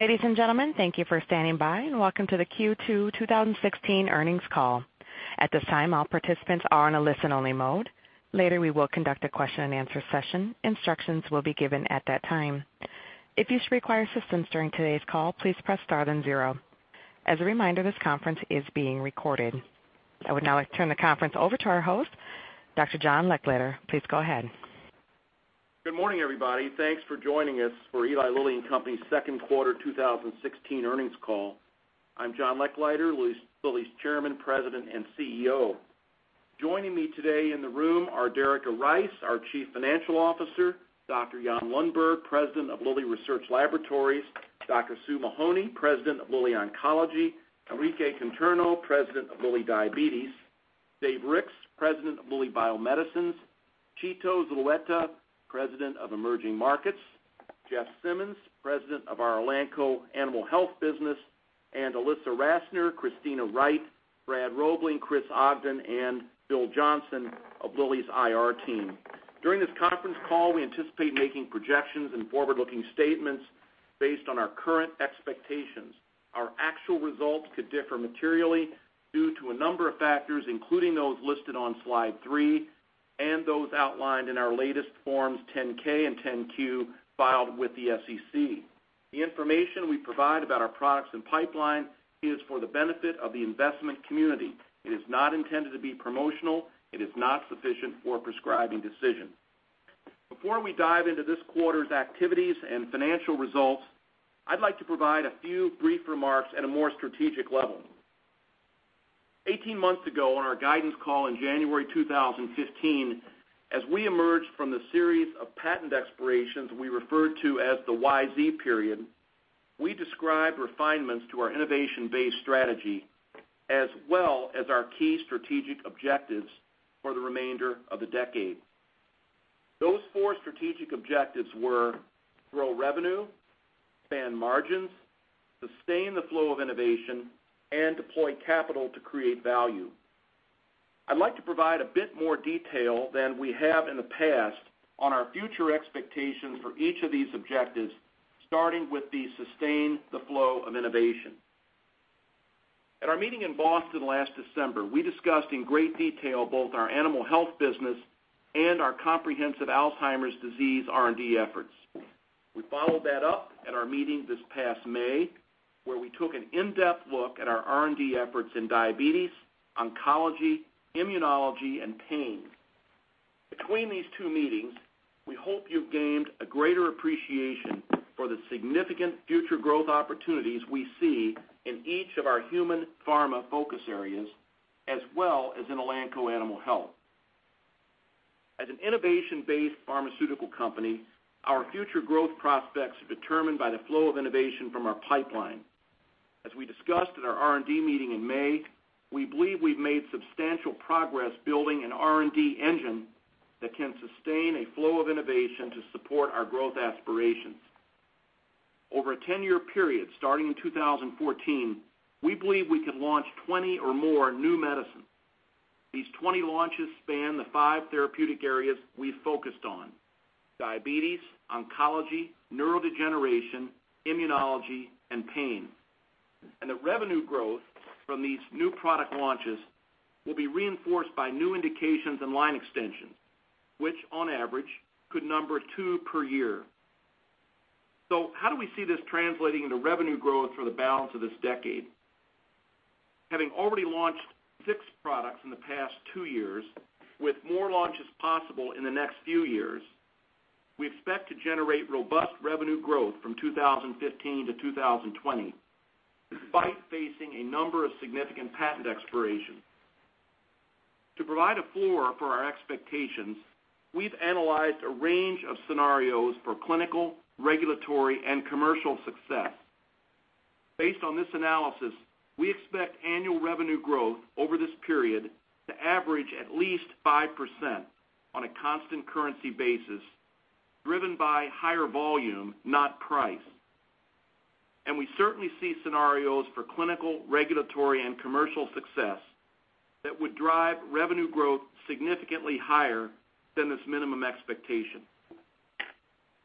Ladies and gentlemen, thank you for standing by. Welcome to the Q2 2016 earnings call. At this time, all participants are in a listen-only mode. Later, we will conduct a question-and-answer session. Instructions will be given at that time. If you require assistance during today's call, please press star then 0. As a reminder, this conference is being recorded. I would now like to turn the conference over to our host, Dr. John Lechleiter. Please go ahead. Good morning, everybody. Thanks for joining us for Eli Lilly and Company's second quarter 2016 earnings call. I'm John Lechleiter, Lilly's Chairman, President, and CEO. Joining me today in the room are Derica Rice, our Chief Financial Officer; Dr. Jan Lundberg, President of Lilly Research Laboratories; Dr. Sue Mahoney, President of Lilly Oncology; Enrique Conterno, President of Lilly Diabetes; Dave Ricks, President of Lilly Bio-Medicines; Chito Zulueta, President of Emerging Markets; Jeff Simmons, President of our Elanco Animal Health business; Ilissa Rassner, Christina Wright, Brad Robling, Chris Ogden, and Phil Johnson of Lilly's IR team. During this conference call, we anticipate making projections and forward-looking statements based on our current expectations. Our actual results could differ materially due to a number of factors, including those listed on slide three and those outlined in our latest forms 10-K and 10-Q filed with the SEC. The information we provide about our products and pipeline is for the benefit of the investment community. It is not intended to be promotional. It is not sufficient for a prescribing decision. Before we dive into this quarter's activities and financial results, I'd like to provide a few brief remarks at a more strategic level. 18 months ago on our guidance call in January 2015, as we emerged from the series of patent expirations we referred to as the YZ period, we described refinements to our innovation-based strategy as well as our key strategic objectives for the remainder of the decade. Those four strategic objectives were grow revenue, expand margins, sustain the flow of innovation, and deploy capital to create value. I'd like to provide a bit more detail than we have in the past on our future expectations for each of these objectives, starting with the sustain the flow of innovation. At our meeting in Boston last December, we discussed in great detail both our animal health business and our comprehensive Alzheimer's disease R&D efforts. We followed that up at our meeting this past May, where we took an in-depth look at our R&D efforts in diabetes, oncology, immunology, and pain. Between these two meetings, we hope you've gained a greater appreciation for the significant future growth opportunities we see in each of our human pharma focus areas, as well as in Elanco Animal Health. As an innovation-based pharmaceutical company, our future growth prospects are determined by the flow of innovation from our pipeline. As we discussed at our R&D meeting in May, we believe we've made substantial progress building an R&D engine that can sustain a flow of innovation to support our growth aspirations. Over a 10-year period starting in 2014, we believe we can launch 20 or more new medicines. These 20 launches span the five therapeutic areas we focused on, diabetes, oncology, neurodegeneration, immunology, and pain. The revenue growth from these new product launches will be reinforced by new indications and line extensions, which on average could number two per year. How do we see this translating into revenue growth for the balance of this decade? Having already launched six products in the past two years, with more launches possible in the next few years, we expect to generate robust revenue growth from 2015 to 2020, despite facing a number of significant patent expirations. To provide a floor for our expectations, we've analyzed a range of scenarios for clinical, regulatory, and commercial success. Based on this analysis, we expect annual revenue growth over this period to average at least 5% on a constant currency basis, driven by higher volume, not price. We certainly see scenarios for clinical, regulatory, and commercial success that would drive revenue growth significantly higher than this minimum expectation.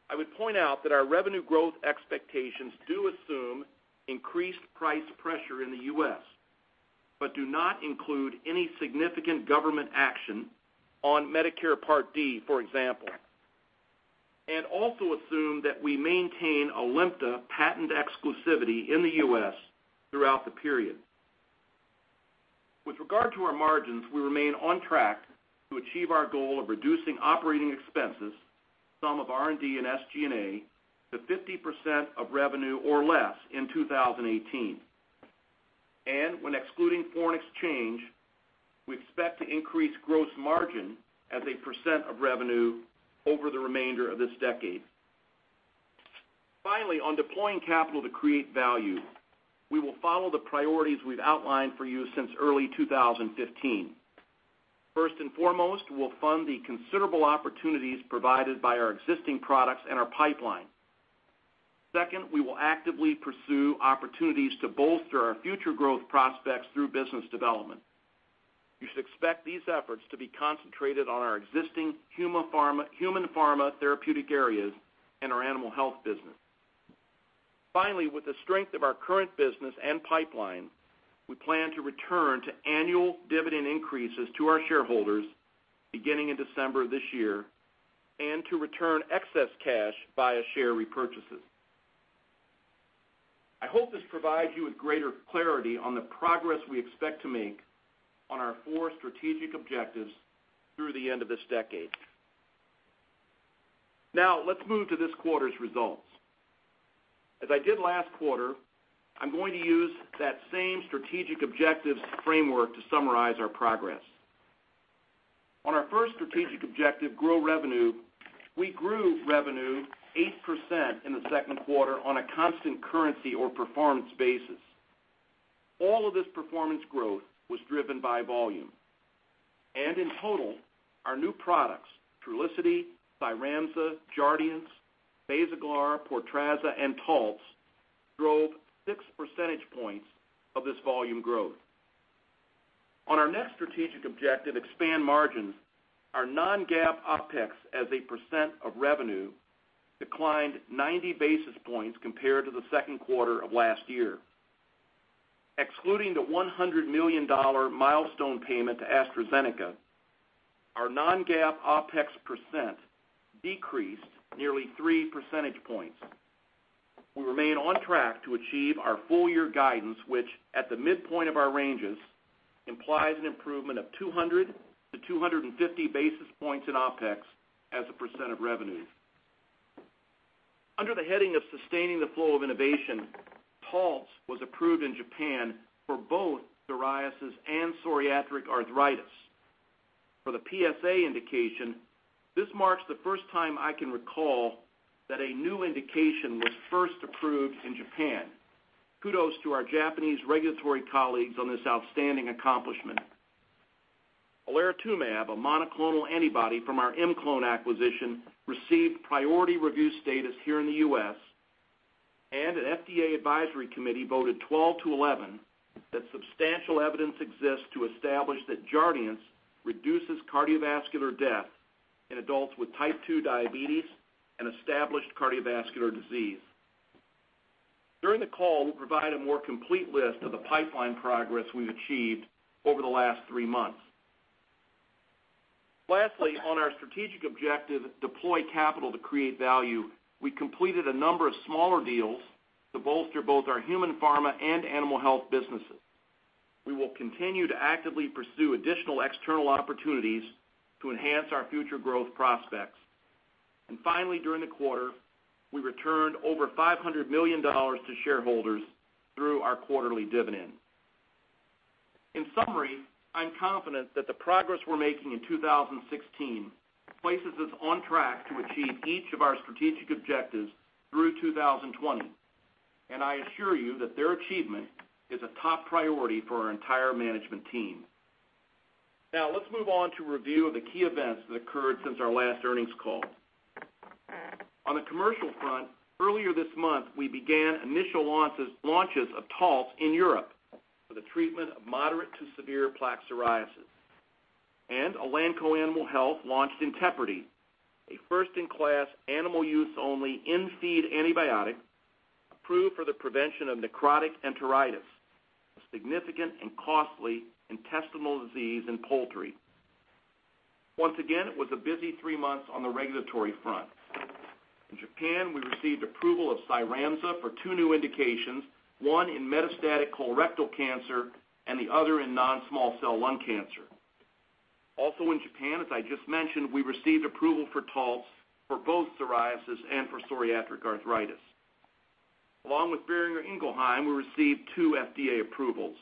I would point out that our revenue growth expectations do assume increased price pressure in the U.S., but do not include any significant government action on Medicare Part D, for example, and also assume that we maintain Alimta patent exclusivity in the U.S. throughout the period. With regard to our margins, we remain on track to achieve our goal of reducing operating expenses, some of R&D and SG&A, to 50% of revenue or less in 2018. When excluding foreign exchange, we expect to increase gross margin as a percent of revenue over the remainder of this decade. Finally, on deploying capital to create value, we will follow the priorities we've outlined for you since early 2015. First and foremost, we'll fund the considerable opportunities provided by our existing products and our pipeline. Second, we will actively pursue opportunities to bolster our future growth prospects through business development. You should expect these efforts to be concentrated on our existing human pharma therapeutic areas and our animal health business. Finally, with the strength of our current business and pipeline, we plan to return to annual dividend increases to our shareholders beginning in December this year and to return excess cash via share repurchases. I hope this provides you with greater clarity on the progress we expect to make on our four strategic objectives through the end of this decade. Let's move to this quarter's results. As I did last quarter, I'm going to use that same strategic objectives framework to summarize our progress. On our first strategic objective, grow revenue, we grew revenue 8% in the second quarter on a constant currency or performance basis. All of this performance growth was driven by volume. In total, our new products, Trulicity, Cyramza, Jardiance, Basaglar, Portrazza, and Taltz, drove six percentage points of this volume growth. On our next strategic objective, expand margins, our non-GAAP OpEx as a percent of revenue declined 90 basis points compared to the second quarter of last year. Excluding the $100 million milestone payment to AstraZeneca, our non-GAAP OpEx percent decreased nearly three percentage points. We remain on track to achieve our full-year guidance, which at the midpoint of our ranges, implies an improvement of 200 to 250 basis points in OpEx as a % of revenue. Under the heading of sustaining the flow of innovation, Taltz was approved in Japan for both psoriasis and psoriatic arthritis. For the PSA indication, this marks the first time I can recall that a new indication was first approved in Japan. Kudos to our Japanese regulatory colleagues on this outstanding accomplishment. Olaratumab, a monoclonal antibody from our ImClone Systems acquisition, received priority review status here in the U.S., and an FDA advisory committee voted 12 to 11 that substantial evidence exists to establish that Jardiance reduces cardiovascular death in adults with type 2 diabetes and established cardiovascular disease. During the call, we'll provide a more complete list of the pipeline progress we've achieved over the last three months. On our strategic objective, deploy capital to create value, we completed a number of smaller deals to bolster both our human pharma and animal health businesses. We will continue to actively pursue additional external opportunities to enhance our future growth prospects. Finally, during the quarter, we returned over $500 million to shareholders through our quarterly dividend. In summary, I'm confident that the progress we're making in 2016 places us on track to achieve each of our strategic objectives through 2020, I assure you that their achievement is a top priority for our entire management team. Now, let's move on to review of the key events that occurred since our last earnings call. On the commercial front, earlier this month, we began initial launches of Taltz in Europe for the treatment of moderate to severe plaque psoriasis. Elanco Animal Health launched Inteprity, a first-in-class animal-use-only in-feed antibiotic approved for the prevention of necrotic enteritis, a significant and costly intestinal disease in poultry. Once again, it was a busy three months on the regulatory front. In Japan, we received approval of Cyramza for two new indications, one in metastatic colorectal cancer and the other in non-small cell lung cancer. Also in Japan, as I just mentioned, we received approval for Taltz for both psoriasis and for psoriatic arthritis. Along with Boehringer Ingelheim, we received two FDA approvals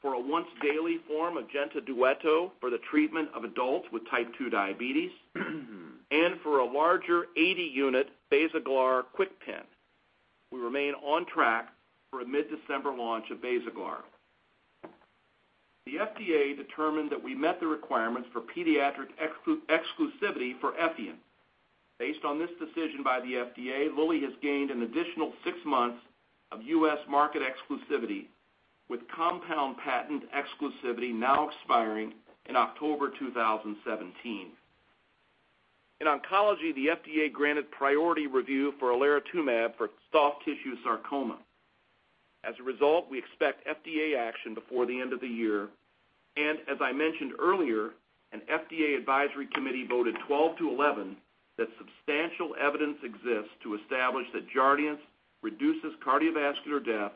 for a once-daily form of Jentadueto for the treatment of adults with type 2 diabetes and for a larger 80-unit BASAGLAR KwikPen. We remain on track for a mid-December launch of BASAGLAR. The FDA determined that we met the requirements for pediatric exclusivity for Effient. Based on this decision by the FDA, Lilly has gained an additional six months of U.S. market exclusivity, with compound patent exclusivity now expiring in October 2017. In oncology, the FDA granted priority review for olaratumab for soft tissue sarcoma. As a result, we expect FDA action before the end of the year. As I mentioned earlier, an FDA advisory committee voted 12 to 11 that substantial evidence exists to establish that Jardiance reduces cardiovascular death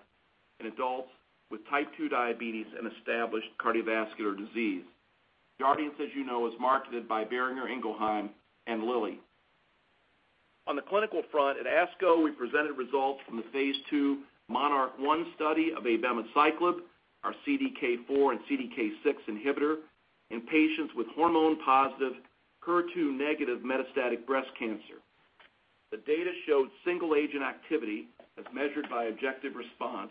in adults with type 2 diabetes and established cardiovascular disease. Jardiance, as you know, is marketed by Boehringer Ingelheim and Lilly. On the clinical front, at ASCO, we presented results from the Phase II MONARCH 1 study of abemaciclib, our CDK4 and CDK6 inhibitor, in patients with hormone positive, HER2 negative metastatic breast cancer. The data showed single agent activity as measured by objective response,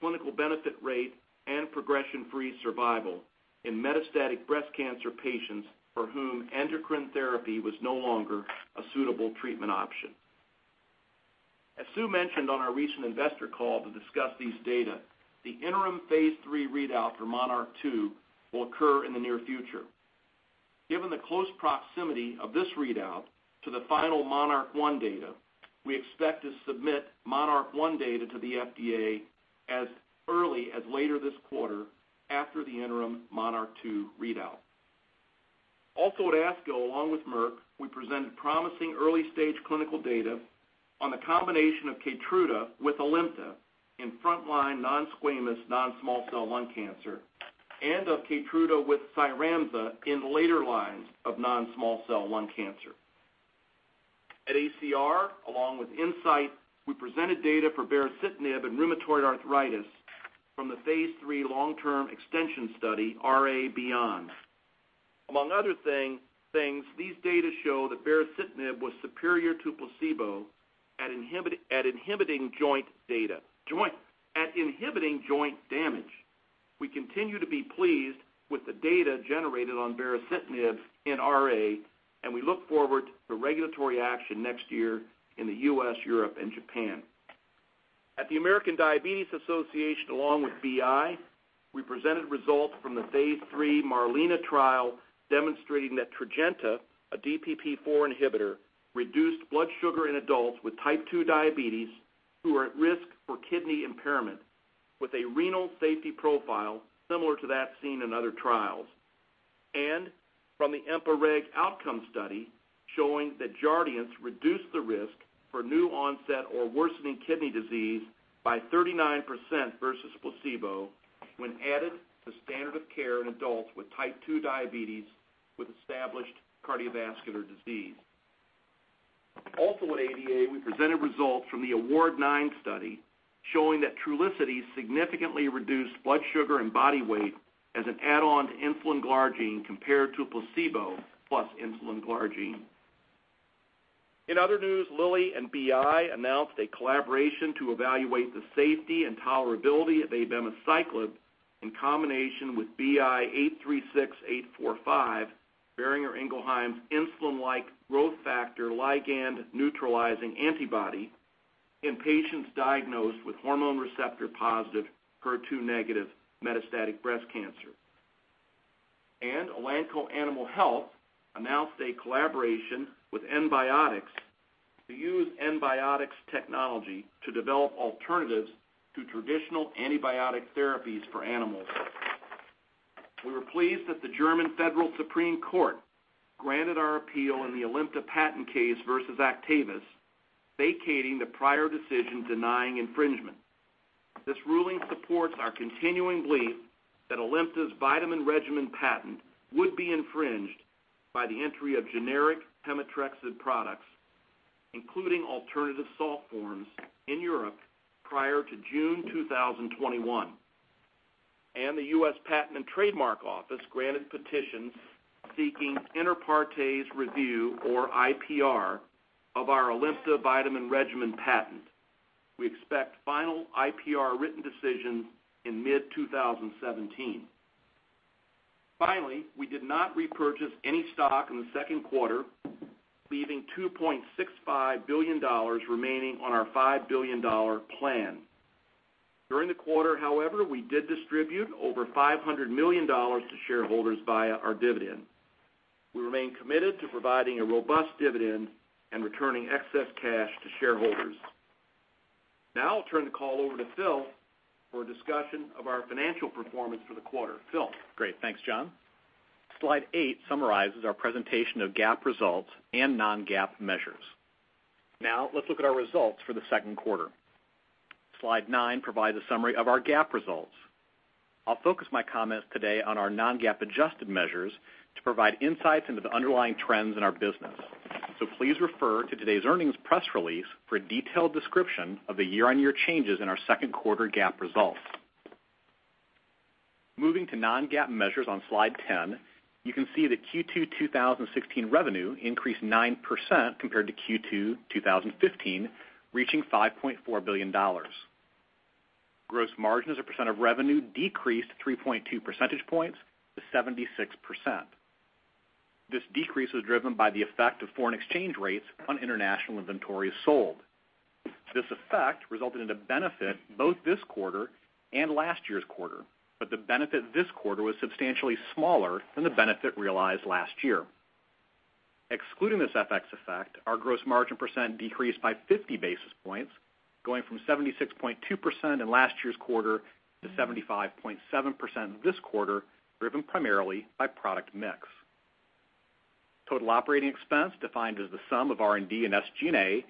clinical benefit rate, and progression-free survival in metastatic breast cancer patients for whom endocrine therapy was no longer a suitable treatment option. As Sue mentioned on our recent investor call to discuss these data, the interim phase III readout for MONARCH 2 will occur in the near future. Given the close proximity of this readout to the final MONARCH 1 data, we expect to submit MONARCH 1 data to the FDA as early as later this quarter after the interim MONARCH 2 readout. Also at ASCO, along with Merck, we presented promising early-stage clinical data on the combination of KEYTRUDA with Alimta in front-line non-squamous, non-small cell lung cancer, and of KEYTRUDA with Cyramza in later lines of non-small cell lung cancer. At ACR, along with Incyte, we presented data for baricitinib in rheumatoid arthritis from the phase III long-term extension study, RA-BEACON. Among other things, these data show that baricitinib was superior to placebo at inhibiting joint damage. We continue to be pleased with the data generated on baricitinib in RA, and we look forward to regulatory action next year in the U.S., Europe, and Japan. At the American Diabetes Association, along with BI, we presented results from the phase III MARLINA trial demonstrating that Tradjenta, a DPP4 inhibitor, reduced blood sugar in adults with type 2 diabetes who are at risk for kidney impairment, with a renal safety profile similar to that seen in other trials. From the EMPA-REG OUTCOME study showing that Jardiance reduced the risk for new onset or worsening kidney disease by 39% versus placebo when added to standard of care in adults with type 2 diabetes with established cardiovascular disease. Also at ADA, we presented results from the AWARD-9 study showing that Trulicity significantly reduced blood sugar and body weight as an add-on to insulin glargine compared to a placebo plus insulin glargine. In other news, Lilly and BI announced a collaboration to evaluate the safety and tolerability of abemaciclib in combination with BI 836845, Boehringer Ingelheim's insulin-like growth factor ligand-neutralizing antibody in patients diagnosed with hormone receptor-positive, HER2-negative metastatic breast cancer. Elanco Animal Health announced a collaboration with EnBiotix to use EnBiotix technology to develop alternatives to traditional antibiotic therapies for animals. We were pleased that the German Federal Court of Justice granted our appeal in the Alimta patent case versus Actavis, vacating the prior decision denying infringement. This ruling supports our continuing belief that Alimta's vitamin regimen patent would be infringed by the entry of generic pemetrexed products, including alternative salt forms in Europe prior to June 2021. The U.S. Patent and Trademark Office granted petitions seeking inter partes review or IPR of our Alimta vitamin regimen patent. We expect final IPR written decisions in mid-2017. Finally, we did not repurchase any stock in the second quarter, leaving $2.65 billion remaining on our $5 billion plan. During the quarter, however, we did distribute over $500 million to shareholders via our dividend. We remain committed to providing a robust dividend and returning excess cash to shareholders. Now I'll turn the call over to Phil for a discussion of our financial performance for the quarter. Phil? Great. Thanks, John. Slide eight summarizes our presentation of GAAP results and non-GAAP measures. Now let's look at our results for the second quarter. Slide nine provides a summary of our GAAP results. I'll focus my comments today on our non-GAAP adjusted measures to provide insights into the underlying trends in our business. Please refer to today's earnings press release for a detailed description of the year-on-year changes in our second quarter GAAP results. Moving to non-GAAP measures on slide 10, you can see that Q2 2016 revenue increased 9% compared to Q2 2015, reaching $5.4 billion. Gross margin as a percent of revenue decreased 3.2 percentage points to 76%. This decrease was driven by the effect of foreign exchange rates on international inventories sold. This effect resulted in a benefit both this quarter and last year's quarter, but the benefit this quarter was substantially smaller than the benefit realized last year. Excluding this FX effect, our gross margin percent decreased by 50 basis points, going from 76.2% in last year's quarter to 75.7% this quarter, driven primarily by product mix. Total operating expense, defined as the sum of R&D and SG&A,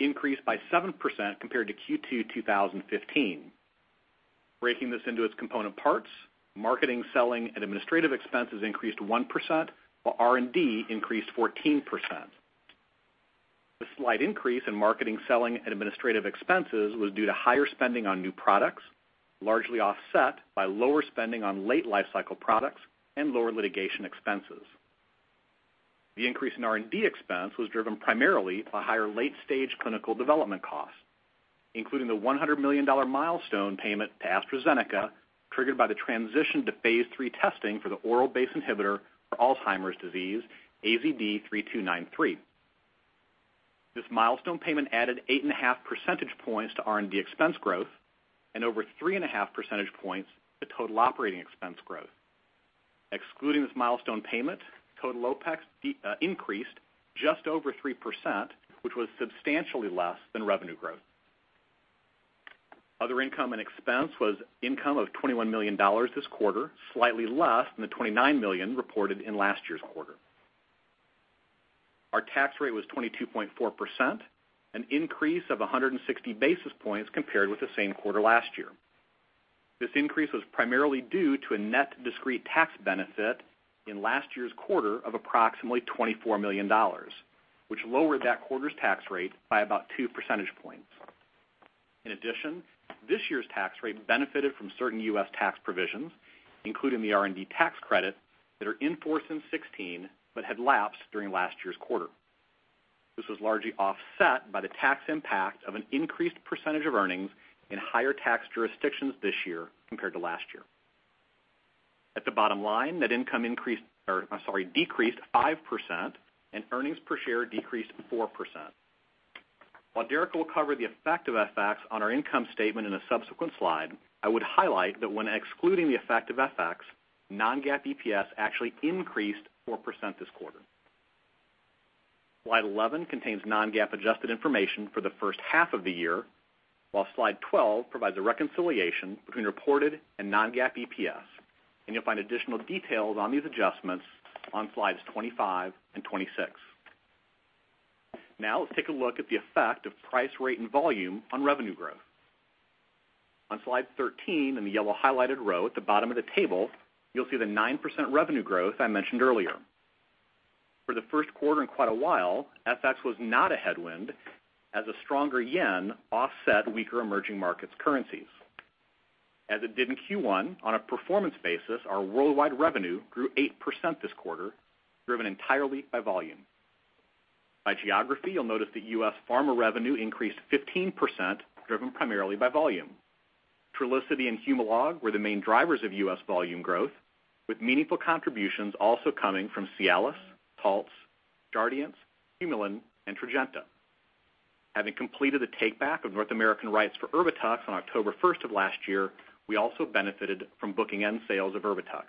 increased by 7% compared to Q2 2015. Breaking this into its component parts, marketing, selling, and administrative expenses increased 1%, while R&D increased 14%. The slight increase in marketing, selling, and administrative expenses was due to higher spending on new products, largely offset by lower spending on late lifecycle products and lower litigation expenses. The increase in R&D expense was driven primarily by higher late-stage clinical development costs. Including the $100 million milestone payment to AstraZeneca, triggered by the transition to phase III testing for the oral BACE inhibitor for Alzheimer's disease, AZD3293. This milestone payment added eight and a half percentage points to R&D expense growth and over three and a half percentage points to total OpEx growth. Excluding this milestone payment, total OpEx increased just over 3%, which was substantially less than revenue growth. Other income and expense was income of $21 million this quarter, slightly less than the $29 million reported in last year's quarter. Our tax rate was 22.4%, an increase of 160 basis points compared with the same quarter last year. This increase was primarily due to a net discrete tax benefit in last year's quarter of approximately $24 million, which lowered that quarter's tax rate by about two percentage points. In addition, this year's tax rate benefited from certain U.S. tax provisions, including the R&D tax credit, that are in force in 2016, but had lapsed during last year's quarter. This was largely offset by the tax impact of an increased percentage of earnings in higher tax jurisdictions this year compared to last year. At the bottom line, net income decreased 5% and earnings per share decreased 4%. While Derica will cover the effect of FX on our income statement in a subsequent slide, I would highlight that when excluding the effect of FX, non-GAAP EPS actually increased 4% this quarter. Slide 11 contains non-GAAP adjusted information for the first half of the year, while Slide 12 provides a reconciliation between reported and non-GAAP EPS. You'll find additional details on these adjustments on Slides 25 and 26. Now let's take a look at the effect of price, rate, and volume on revenue growth. On Slide 13, in the yellow highlighted row at the bottom of the table, you'll see the 9% revenue growth I mentioned earlier. For the first quarter in quite a while, FX was not a headwind as a stronger yen offset weaker emerging markets currencies. As it did in Q1, on a performance basis, our worldwide revenue grew 8% this quarter, driven entirely by volume. By geography, you'll notice that U.S. pharma revenue increased 15%, driven primarily by volume. Trulicity and Humalog were the main drivers of U.S. volume growth, with meaningful contributions also coming from Cialis, Taltz, Jardiance, Humulin, and Tradjenta. Having completed the takeback of North American rights for Erbitux on October 1st of last year, we also benefited from booking end sales of Erbitux.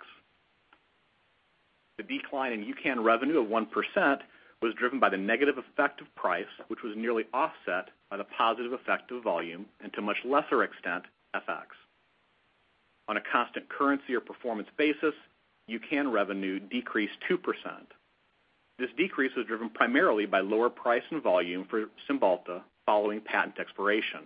The decline in UCAN revenue of 1% was driven by the negative effect of price, which was nearly offset by the positive effect of volume and to a much lesser extent, FX. On a constant currency or performance basis, UCAN revenue decreased 2%. This decrease was driven primarily by lower price and volume for Cymbalta following patent expiration,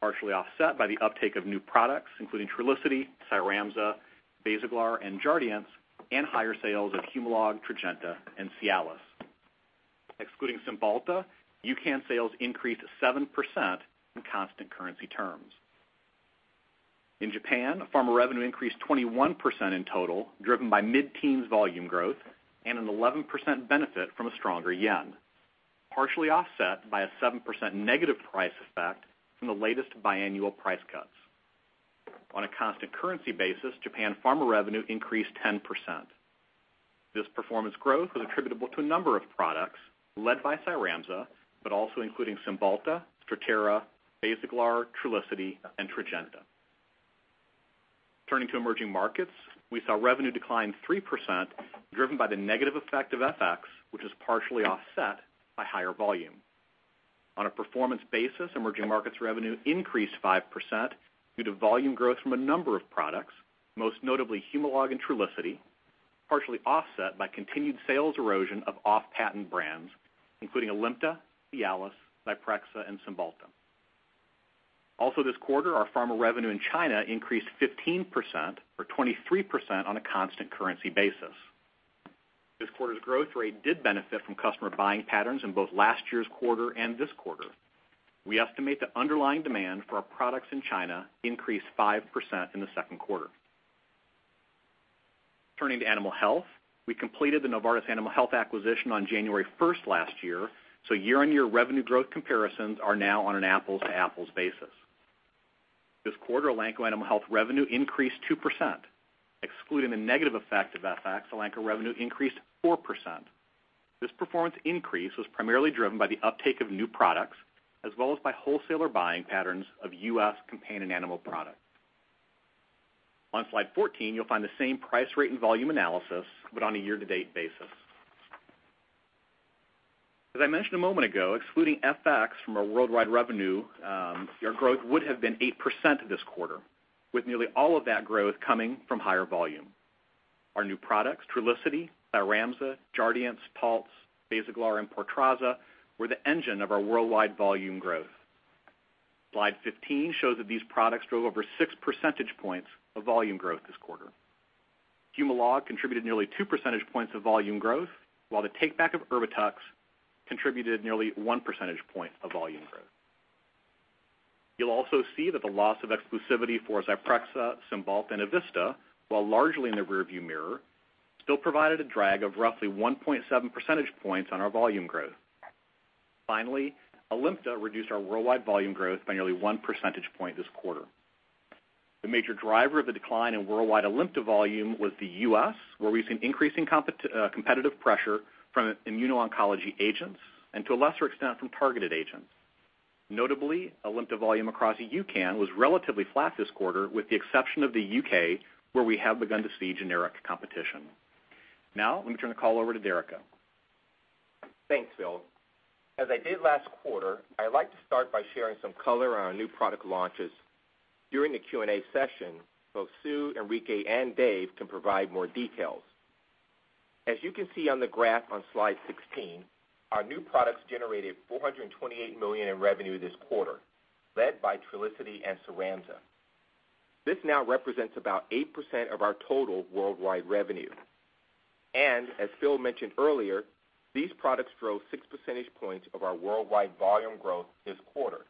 partially offset by the uptake of new products, including Trulicity, Cyramza, BASAGLAR, and Jardiance, and higher sales of Humalog, Tradjenta, and Cialis. Excluding Cymbalta, UCAN sales increased 7% in constant currency terms. In Japan, pharma revenue increased 21% in total, driven by mid-teens volume growth and an 11% benefit from a stronger yen, partially offset by a 7% negative price effect from the latest biannual price cuts. On a constant currency basis, Japan pharma revenue increased 10%. This performance growth was attributable to a number of products, led by Cyramza, but also including Cymbalta, Strattera, BASAGLAR, Trulicity, and Tradjenta. Turning to emerging markets, we saw revenue decline 3%, driven by the negative effect of FX, which was partially offset by higher volume. On a performance basis, emerging markets revenue increased 5% due to volume growth from a number of products, most notably Humalog and Trulicity, partially offset by continued sales erosion of off-patent brands, including Alimta, Cialis, Zyprexa, and Cymbalta. Also this quarter, our pharma revenue in China increased 15%, or 23% on a constant currency basis. This quarter's growth rate did benefit from customer buying patterns in both last year's quarter and this quarter. We estimate the underlying demand for our products in China increased 5% in the second quarter. Turning to animal health, we completed the Novartis Animal Health acquisition on January 1st last year, so year-on-year revenue growth comparisons are now on an apples-to-apples basis. This quarter, Elanco Animal Health revenue increased 2%. Excluding the negative effect of FX, Elanco revenue increased 4%. This performance increase was primarily driven by the uptake of new products, as well as by wholesaler buying patterns of U.S. companion animal products. On slide 14, you'll find the same price, rate, and volume analysis, but on a year-to-date basis. As I mentioned a moment ago, excluding FX from our worldwide revenue, our growth would have been 8% this quarter, with nearly all of that growth coming from higher volume. Our new products, Trulicity, Cyramza, Jardiance, Pulz, Basaglar, and Portrazza, were the engine of our worldwide volume growth. Slide 15 shows that these products drove over six percentage points of volume growth this quarter. Humalog contributed nearly two percentage points of volume growth, while the takeback of Erbitux contributed nearly one percentage point of volume growth. You'll also see that the loss of exclusivity for Zyprexa, Cymbalta, and Evista, while largely in the rearview mirror, still provided a drag of roughly 1.7 percentage points on our volume growth. Finally, Alimta reduced our worldwide volume growth by nearly one percentage point this quarter. The major driver of the decline in worldwide Alimta volume was the U.S., where we've seen increasing competitive pressure from immuno-oncology agents, and to a lesser extent, from targeted agents. Notably, Alimta volume across UCAN was relatively flat this quarter, with the exception of the U.K., where we have begun to see generic competition. Now, let me turn the call over to Derica. Thanks, Phil. As I did last quarter, I'd like to start by sharing some color on our new product launches. During the Q&A session, both Sue, Enrique, and Dave can provide more details. As you can see on the graph on slide 16, our new products generated $428 million in revenue this quarter, led by Trulicity and Cyramza. This now represents about 8% of our total worldwide revenue. As Phil mentioned earlier, these products drove six percentage points of our worldwide volume growth this quarter.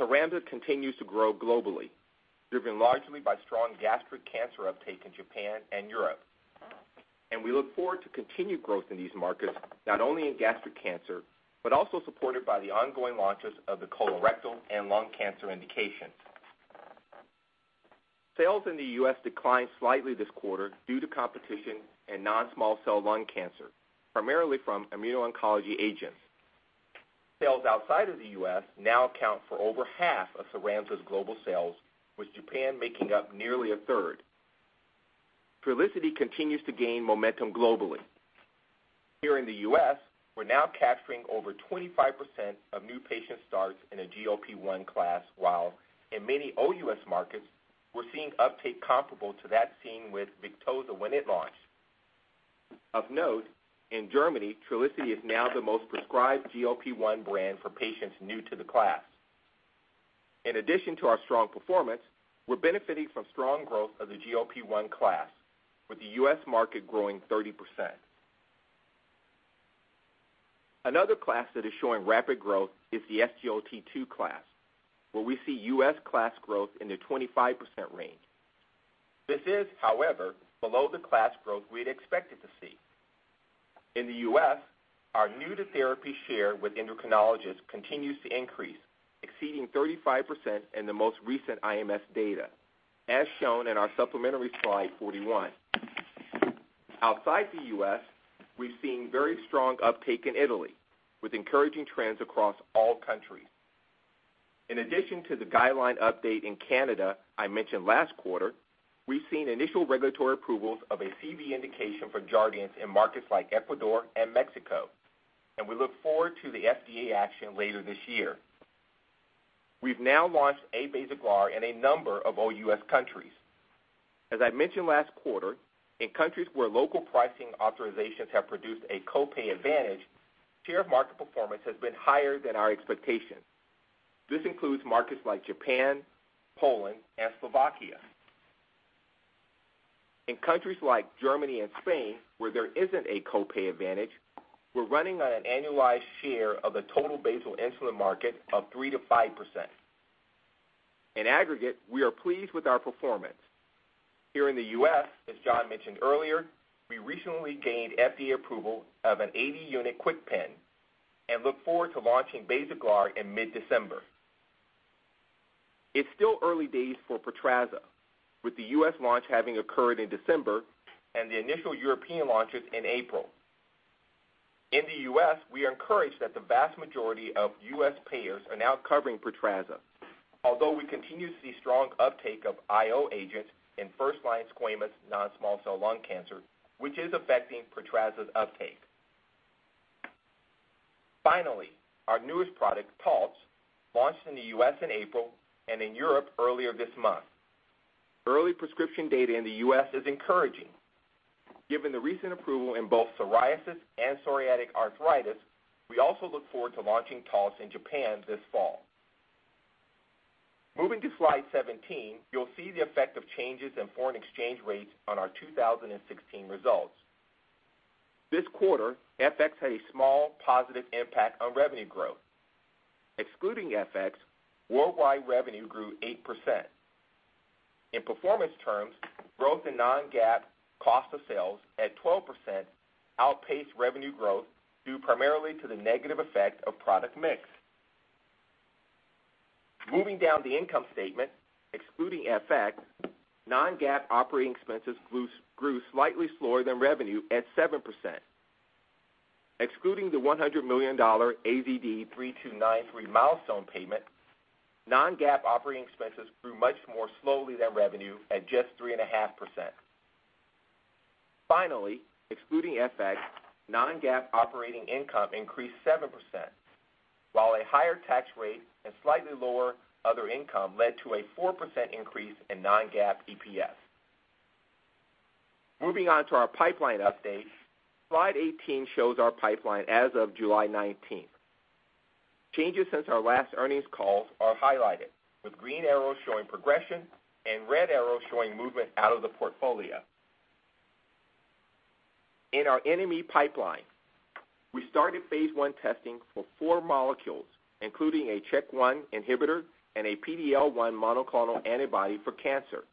Cyramza continues to grow globally, driven largely by strong gastric cancer uptake in Japan and Europe. We look forward to continued growth in these markets, not only in gastric cancer, but also supported by the ongoing launches of the colorectal and lung cancer indications. Sales in the U.S. declined slightly this quarter due to competition in non-small cell lung cancer, primarily from immuno-oncology agents. Sales outside of the U.S. now account for over half of Cyramza's global sales, with Japan making up nearly a third. Trulicity continues to gain momentum globally. Here in the U.S., we're now capturing over 25% of new patient starts in a GLP-1 class, while in many OUS markets, we're seeing uptake comparable to that seen with Victoza when it launched. Of note, in Germany, Trulicity is now the most prescribed GLP-1 brand for patients new to the class. In addition to our strong performance, we're benefiting from strong growth of the GLP-1 class, with the U.S. market growing 30%. Another class that is showing rapid growth is the SGLT2 class, where we see U.S. class growth in the 25% range. This is, however, below the class growth we had expected to see. In the U.S., our new to therapy share with endocrinologists continues to increase, exceeding 35% in the most recent IMS data, as shown in our supplementary slide 41. Outside the U.S., we've seen very strong uptake in Italy, with encouraging trends across all countries. In addition to the guideline update in Canada I mentioned last quarter, we've seen initial regulatory approvals of a CV indication for Jardiance in markets like Ecuador and Mexico, and we look forward to the FDA action later this year. We've now launched Basaglar in a number of OUS countries. As I mentioned last quarter, in countries where local pricing authorizations have produced a co-pay advantage, share of market performance has been higher than our expectations. This includes markets like Japan, Poland, and Slovakia. In countries like Germany and Spain, where there isn't a co-pay advantage, we're running on an annualized share of the total basal insulin market of 3%-5%. In aggregate, we are pleased with our performance. Here in the U.S., as John mentioned earlier, we recently gained FDA approval of an 80-unit KwikPen and look forward to launching Basaglar in mid-December. It's still early days for Portrazza, with the U.S. launch having occurred in December and the initial European launches in April. In the U.S., we are encouraged that the vast majority of U.S. payers are now covering Portrazza, although we continue to see strong uptake of IO agents in first-line squamous non-small cell lung cancer, which is affecting Portrazza's uptake. Finally, our newest product, Taltz, launched in the U.S. in April and in Europe earlier this month. Early prescription data in the U.S. is encouraging. Given the recent approval in both psoriasis and psoriatic arthritis, we also look forward to launching Taltz in Japan this fall. Moving to slide 17, you'll see the effect of changes in foreign exchange rates on our 2016 results. This quarter, FX had a small positive impact on revenue growth. Excluding FX, worldwide revenue grew 8%. In performance terms, growth in non-GAAP cost of sales at 12% outpaced revenue growth due primarily to the negative effect of product mix. Moving down the income statement, excluding FX, non-GAAP operating expenses grew slightly slower than revenue at 7%. Excluding the $100 million AZD3293 milestone payment, non-GAAP operating expenses grew much more slowly than revenue at just 3.5%. Finally, excluding FX, non-GAAP operating income increased 7%, while a higher tax rate and slightly lower other income led to a 4% increase in non-GAAP EPS. Moving on to our pipeline update. Slide 18 shows our pipeline as of July 19th. Changes since our last earnings calls are highlighted, with green arrows showing progression and red arrows showing movement out of the portfolio. In our NME pipeline, we started phase I testing for four molecules, including a CHEK1 inhibitor and a PD-L1 monoclonal antibody for cancer,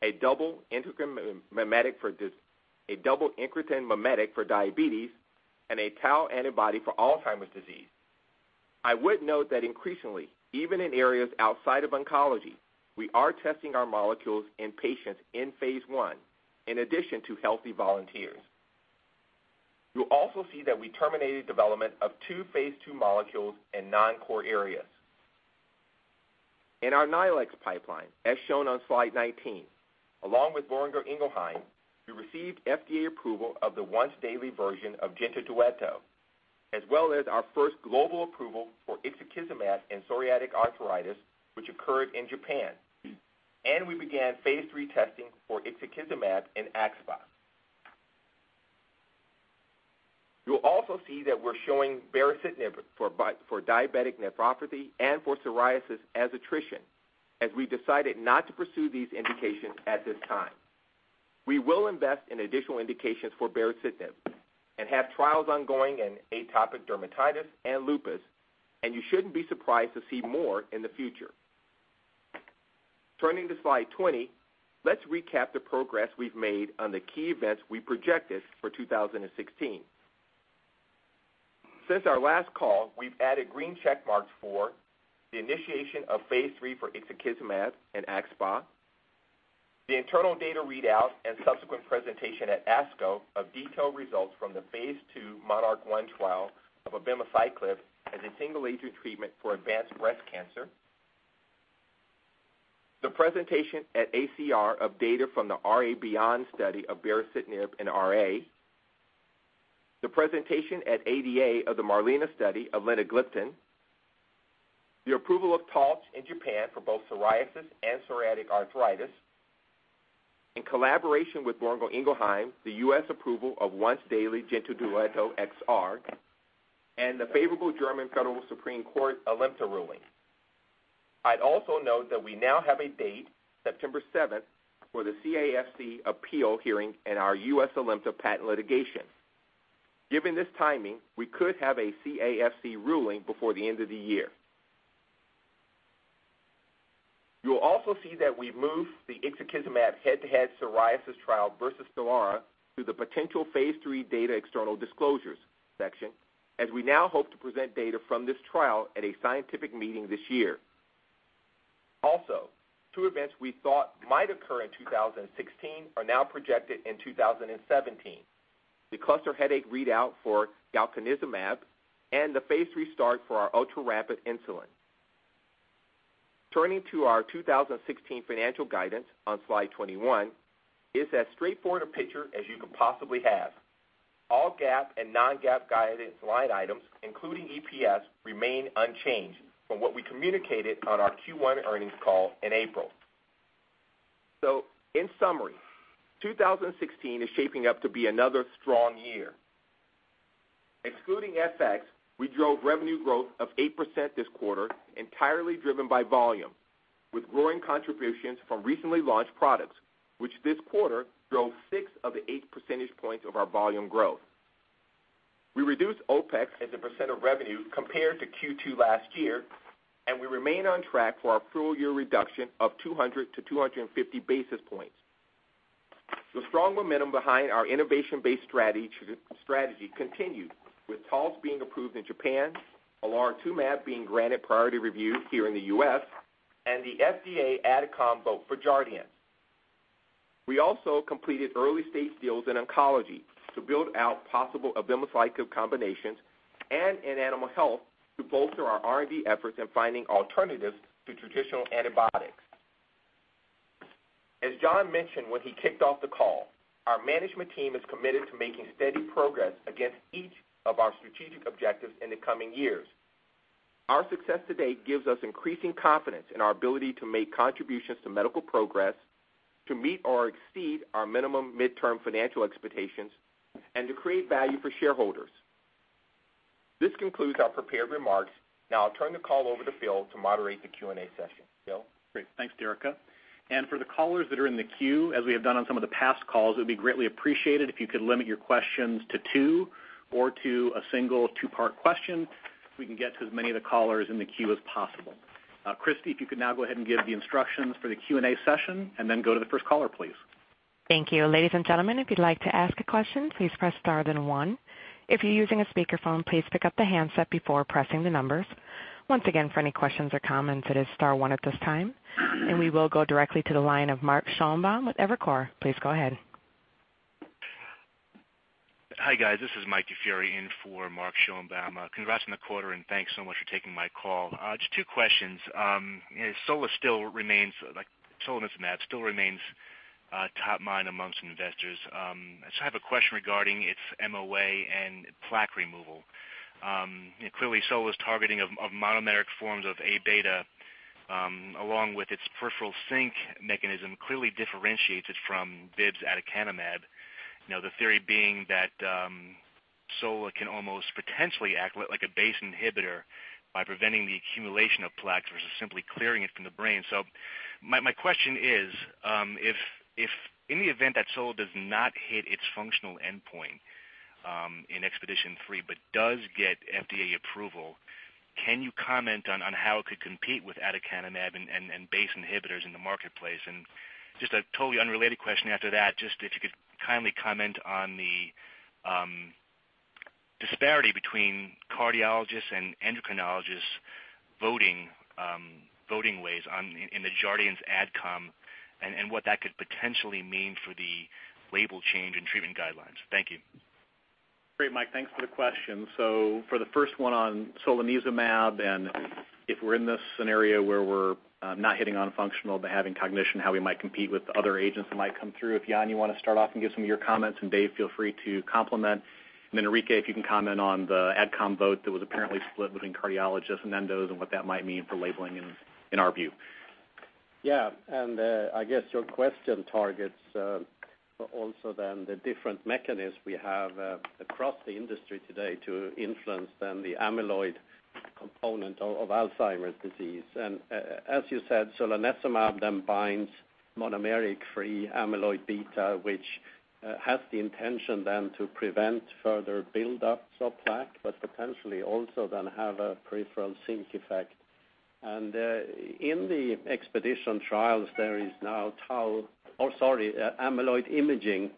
a double incretin mimetic for diabetes, and a tau antibody for Alzheimer's disease. I would note that increasingly, even in areas outside of oncology, we are testing our molecules in patients in phase I in addition to healthy volunteers. You'll also see that we terminated development of two phase II molecules in non-core areas. In our NILEX pipeline, as shown on slide 19, along with Boehringer Ingelheim, we received FDA approval of the once-daily version of Jentadueto, as well as our first global approval for ixekizumab in psoriatic arthritis, which occurred in Japan, and we began phase III testing for ixekizumab in axSpA. You'll also see that we're showing baricitinib for diabetic nephropathy and for psoriasis as attrition, as we decided not to pursue these indications at this time. We will invest in additional indications for baricitinib and have trials ongoing in atopic dermatitis and lupus, and you shouldn't be surprised to see more in the future. Turning to slide 20, let's recap the progress we've made on the key events we projected for 2016. Since our last call, we've added green check marks for the initiation of phase III for ixekizumab in axSpA, the internal data readout, and subsequent presentation at ASCO of detailed results from the phase II MONARCH 1 trial of abemaciclib as a single-agent treatment for advanced breast cancer. The presentation at ACR of data from the RA-BEACON study of baricitinib in RA, the presentation at ADA of the MARLINA study of linagliptin, the approval of Taltz in Japan for both psoriasis and psoriatic arthritis. In collaboration with Boehringer Ingelheim, the U.S. approval of once-daily Jentadueto XR, and the favorable German Federal Court of Justice Alimta ruling. I'd also note that we now have a date, September 7th, for the CAFC appeal hearing in our U.S. Alimta patent litigation. Given this timing, we could have a CAFC ruling before the end of the year. You will also see that we've moved the ixekizumab head-to-head psoriasis trial versus STELARA to the potential phase III data external disclosures section, as we now hope to present data from this trial at a scientific meeting this year. Also, two events we thought might occur in 2016 are now projected in 2017. The cluster headache readout for galcanezumab and the phase restart for our ultrarapid insulin. Turning to our 2016 financial guidance on slide 21, it's as straightforward a picture as you could possibly have. All GAAP and non-GAAP guidance line items, including EPS, remain unchanged from what we communicated on our Q1 earnings call in April. In summary, 2016 is shaping up to be another strong year. Excluding FX, we drove revenue growth of 8% this quarter, entirely driven by volume, with growing contributions from recently launched products, which this quarter drove six of the eight percentage points of our volume growth. We reduced OpEx as a percent of revenue compared to Q2 last year, and we remain on track for our full-year reduction of 200 to 250 basis points. The strong momentum behind our innovation-based strategy continued, with Taltz being approved in Japan, olaratumab being granted priority review here in the U.S., and the FDA AdCom vote for Jardiance. We also completed early-stage deals in oncology to build out possible abemaciclib combinations and in animal health to bolster our R&D efforts in finding alternatives to traditional antibiotics. As John mentioned when he kicked off the call, our management team is committed to making steady progress against each of our strategic objectives in the coming years. Our success to date gives us increasing confidence in our ability to make contributions to medical progress, to meet or exceed our minimum mid-term financial expectations, and to create value for shareholders. This concludes our prepared remarks. I'll turn the call over to Phil to moderate the Q&A session. Phil? Great. Thanks, Derica. For the callers that are in the queue, as we have done on some of the past calls, it would be greatly appreciated if you could limit your questions to two or to a single two-part question so we can get to as many of the callers in the queue as possible. Christy, if you could now go ahead and give the instructions for the Q&A session and go to the first caller, please. Thank you. Ladies and gentlemen, if you'd like to ask a question, please press star then one. If you're using a speakerphone, please pick up the handset before pressing the numbers. Once again, for any questions or comments, it is star one at this time. We will go directly to the line of Mark Schoenebaum with Evercore. Please go ahead. Hi, guys. This is Mike DiFiore in for Mark Schoenebaum. Congrats on the quarter, thanks so much for taking my call. Just two questions. solanezumab still remains top mind amongst investors. I have a question regarding its MOA and plaque removal. Clearly, Sola's targeting of monometric forms of A-beta, along with its peripheral sink mechanism, clearly differentiates it from Biogen's aducanumab. The theory being that Sola can almost potentially act like a BACE inhibitor by preventing the accumulation of plaque versus simply clearing it from the brain. My question is, if in the event that Sola does not hit its functional endpoint in EXPEDITION3 but does get FDA approval, can you comment on how it could compete with aducanumab and BACE inhibitors in the marketplace? just a totally unrelated question after that, just if you could kindly comment on the disparity between cardiologists and endocrinologists voting ways in the Jardiance ad com and what that could potentially mean for the label change and treatment guidelines. Thank you. Great, Mike. Thanks for the question. For the first one on solanezumab and if we're in this scenario where we're not hitting on functional but having cognition, how we might compete with other agents that might come through. If Jan, you want to start off and give some of your comments, and Dave, feel free to complement. Then Enrique, if you can comment on the ad com vote that was apparently split within cardiologists and endos and what that might mean for labeling in our view. Yeah. I guess your question targets also then the different mechanisms we have across the industry today to influence then the amyloid component of Alzheimer's disease. As you said, solanezumab then binds monomeric free amyloid-β, which has the intention then to prevent further buildups of plaque, but potentially also then have a peripheral sink effect. In the Expedition trials, there is now tau or sorry, amyloid imaging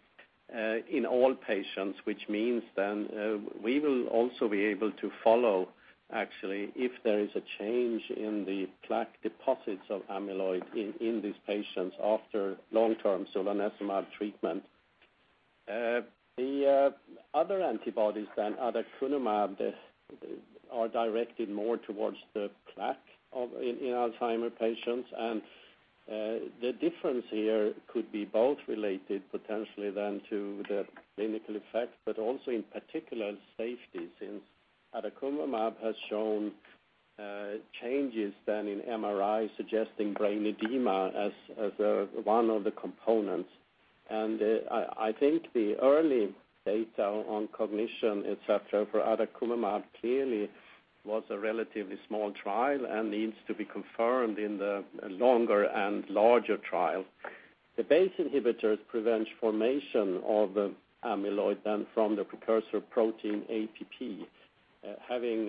in all patients, which means then we will also be able to follow actually if there is a change in the plaque deposits of amyloid-β in these patients after long-term solanezumab treatment. The other antibodies then, aducanumab, are directed more towards the plaque in Alzheimer's patients. The difference here could be both related potentially then to the clinical effect, but also in particular safety, since aducanumab has shown changes then in MRI suggesting brain edema as one of the components. I think the early data on cognition, et cetera, for aducanumab clearly was a relatively small trial and needs to be confirmed in the longer and larger trial. The BACE inhibitors prevents formation of amyloid-β then from the precursor protein APP, having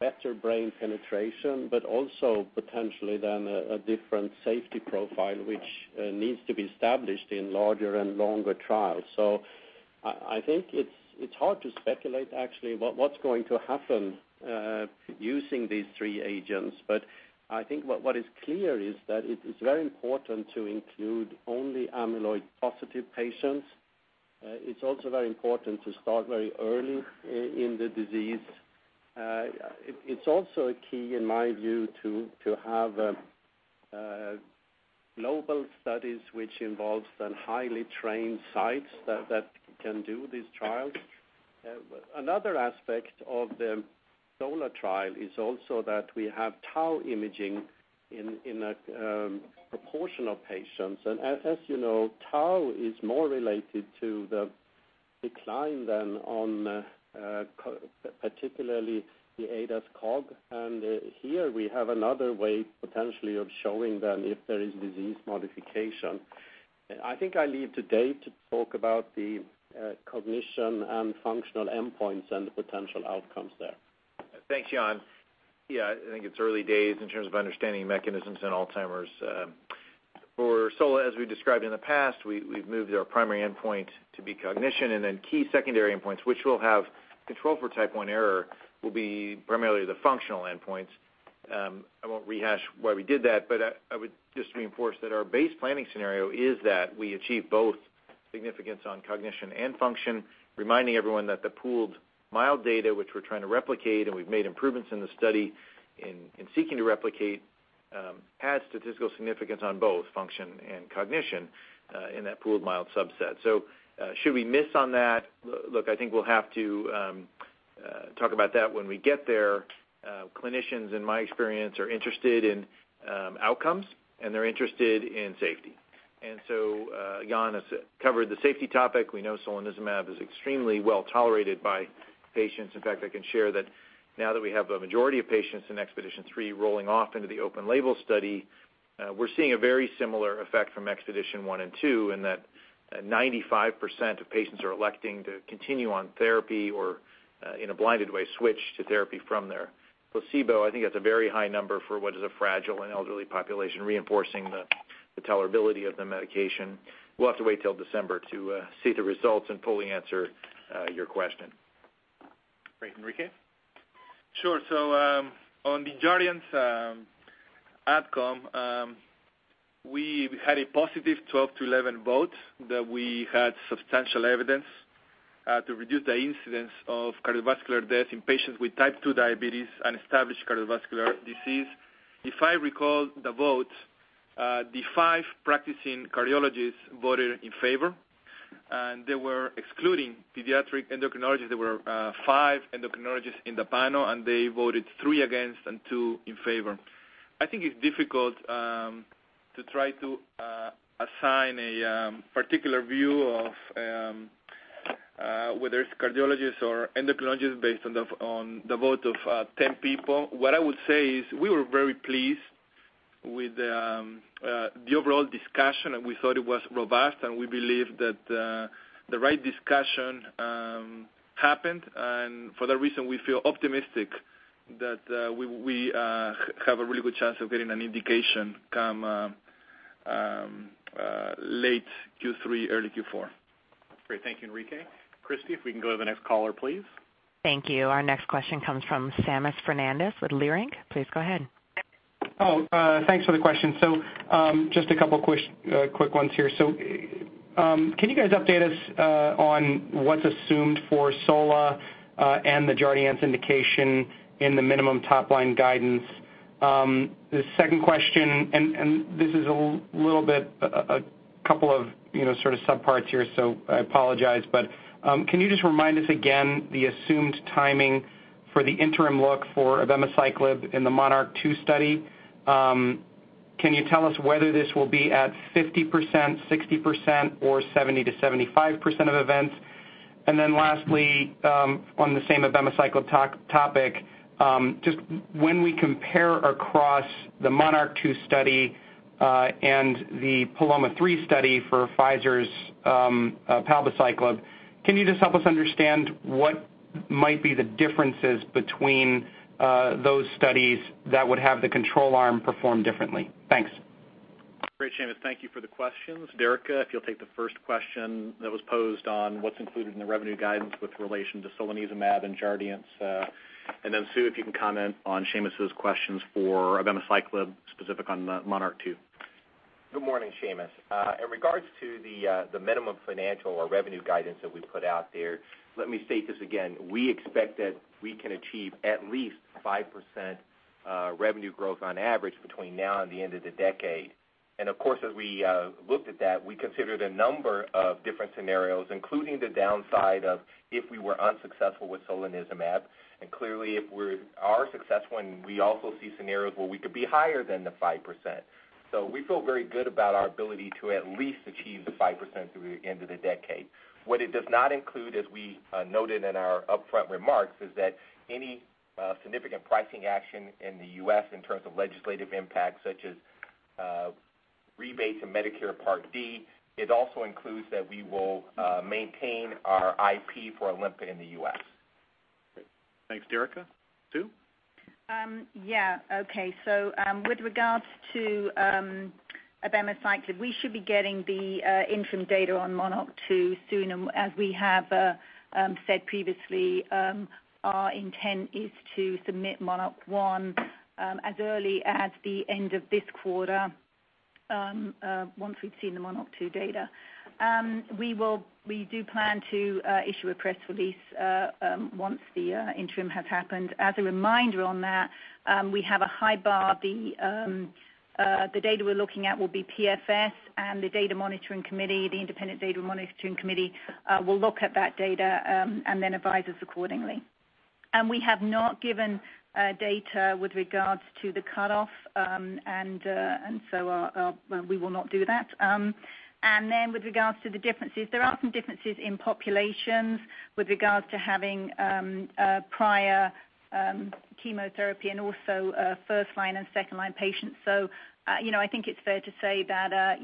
better brain penetration, but also potentially then a different safety profile, which needs to be established in larger and longer trials. I think it's hard to speculate actually what's going to happen using these three agents. I think what is clear is that it is very important to include only amyloid-β-positive patients. It's also very important to start very early in the disease. It's also a key, in my view, to have global studies which involves then highly trained sites that can do these trials. Another aspect of the Sola trial is also that we have tau imaging in a proportion of patients. As you know, tau is more related to the decline then on particularly the ADAS-Cog. Here we have another way potentially of showing then if there is disease modification. I think I leave to Dave to talk about the cognition and functional endpoints and the potential outcomes there. Thanks, Jan. Yeah, I think it's early days in terms of understanding mechanisms in Alzheimer's. For Sola, as we described in the past, we've moved our primary endpoint to be cognition, then key secondary endpoints, which will have control for type 1 error, will be primarily the functional endpoints. I won't rehash why we did that, but I would just reinforce that our base planning scenario is that we achieve both significance on cognition and function, reminding everyone that the pooled mild data, which we're trying to replicate and we've made improvements in the study in seeking to replicate, had statistical significance on both function and cognition in that pooled mild subset. Should we miss on that? Look, I think we'll have to talk about that when we get there. Clinicians, in my experience, are interested in outcomes and they're interested in safety. Jan has covered the safety topic. We know solanezumab is extremely well-tolerated by patients. In fact, I can share that now that we have a majority of patients in EXPEDITION3 rolling off into the open label study, we're seeing a very similar effect from EXPEDITION1 and 2 in that 95% of patients are electing to continue on therapy or, in a blinded way, switch to therapy from their placebo. I think that's a very high number for what is a fragile and elderly population, reinforcing the tolerability of the medication. We'll have to wait till December to see the results and fully answer your question. Great. Enrique? Sure. On the Jardiance ad com, we had a positive 12 to 11 vote that we had substantial evidence to reduce the incidence of cardiovascular death in patients with type 2 diabetes and established cardiovascular disease. If I recall the vote, the five practicing cardiologists voted in favor, and they were excluding pediatric endocrinologists. There were five endocrinologists in the panel, and they voted three against and two in favor. I think it's difficult to try to assign a particular view of whether it's cardiologists or endocrinologists based on the vote of 10 people. What I would say is we were very pleased with the overall discussion. We thought it was robust, and we believe that the right discussion happened. For that reason, we feel optimistic that we have a really good chance of getting an indication come late Q3, early Q4. Great. Thank you, Enrique. Christy, if we can go to the next caller, please. Thank you. Our next question comes from Seamus Fernandez with Leerink. Please go ahead. Thanks for the question. Just a couple quick ones here. Can you guys update us on what's assumed for sola and the Jardiance indication in the minimum top-line guidance? The second question, and this is a couple of sort of sub-parts here, so I apologize, but can you just remind us again the assumed timing for the interim look for abemaciclib in the MONARCH 2 study? Can you tell us whether this will be at 50%, 60%, or 70%-75% of events? Lastly, on the same abemaciclib topic, just when we compare across the MONARCH 2 study, and the PALOMA-3 study for Pfizer's palbociclib, can you just help us understand what might be the differences between those studies that would have the control arm perform differently? Thanks. Great, Seamus. Thank you for the questions. Derica, if you'll take the first question that was posed on what's included in the revenue guidance with relation to solanezumab and Jardiance. Sue, if you can comment on Seamus' questions for abemaciclib, specific on the MONARCH 2. Good morning, Seamus. In regards to the minimum financial or revenue guidance that we put out there, let me state this again. We expect that we can achieve at least 5% revenue growth on average between now and the end of the decade. As we looked at that, we considered a number of different scenarios, including the downside of if we were unsuccessful with solanezumab. Clearly, if we are successful, we also see scenarios where we could be higher than the 5%. We feel very good about our ability to at least achieve the 5% through the end of the decade. What it does not include, as we noted in our upfront remarks, is that any significant pricing action in the U.S. in terms of legislative impact, such as rebates and Medicare Part D. It also includes that we will maintain our IP for Alimta in the U.S. Great. Thanks, Derica. Sue? Yeah. Okay. With regards to abemaciclib, we should be getting the interim data on MONARCH 2 soon. As we have said previously, our intent is to submit MONARCH 1 as early as the end of this quarter, once we've seen the MONARCH 2 data. We do plan to issue a press release once the interim has happened. As a reminder on that, we have a high bar. The data we're looking at will be PFS, and the Independent Data Monitoring Committee will look at that data, then advise us accordingly. We have not given data with regards to the cutoff, we will not do that. With regards to the differences, there are some differences in populations with regards to having prior chemotherapy and also first-line and second-line patients. I think it's fair to say that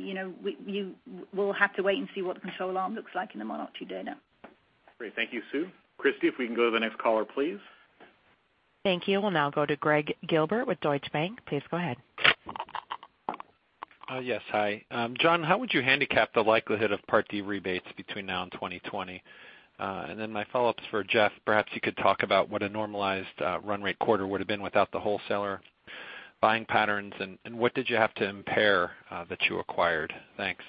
we'll have to wait and see what the control arm looks like in the MONARCH 2 data. Great. Thank you, Sue. Christy, if we can go to the next caller, please. Thank you. We'll now go to Gregg Gilbert with Deutsche Bank. Please go ahead. Yes. Hi. John, how would you handicap the likelihood of Part D rebates between now and 2020? My follow-up's for Jeff. Perhaps you could talk about what a normalized run rate quarter would've been without the wholesaler buying patterns, and what did you have to impair that you acquired? Thanks.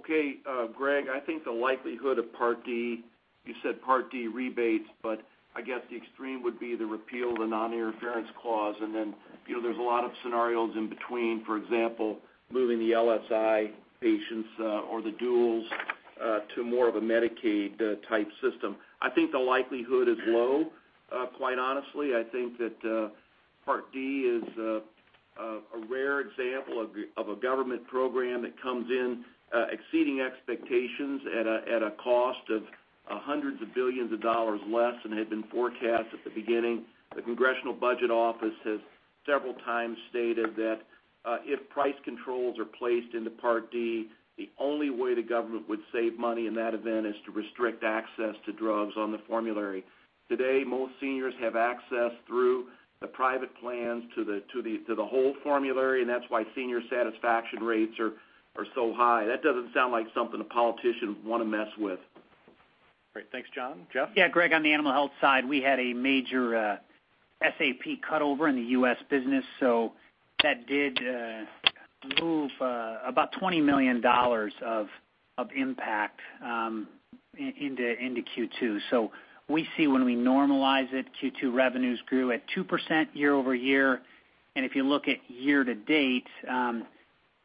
Okay. Gregg, I think the likelihood of Part D, you said Part D rebates, I guess the extreme would be the repeal of the non-interference clause. There's a lot of scenarios in between, for example, moving the LIS patients or the duals to more of a Medicaid-type system. I think the likelihood is low, quite honestly. I think that Part D is a rare example of a government program that comes in exceeding expectations at a cost of $hundreds of billions less than had been forecast at the beginning. The Congressional Budget Office has several times stated that if price controls are placed into Part D, the only way the government would save money in that event is to restrict access to drugs on the formulary. Today, most seniors have access through the private plans to the whole formulary, that's why senior satisfaction rates are so high. That doesn't sound like something a politician would want to mess with. Great. Thanks, John. Jeff? Gregg, on the animal health side, we had a major SAP cut over in the U.S. business. That did move about $20 million of impact into Q2. We see when we normalize it, Q2 revenues grew at 2% year-over-year. If you look at year to date,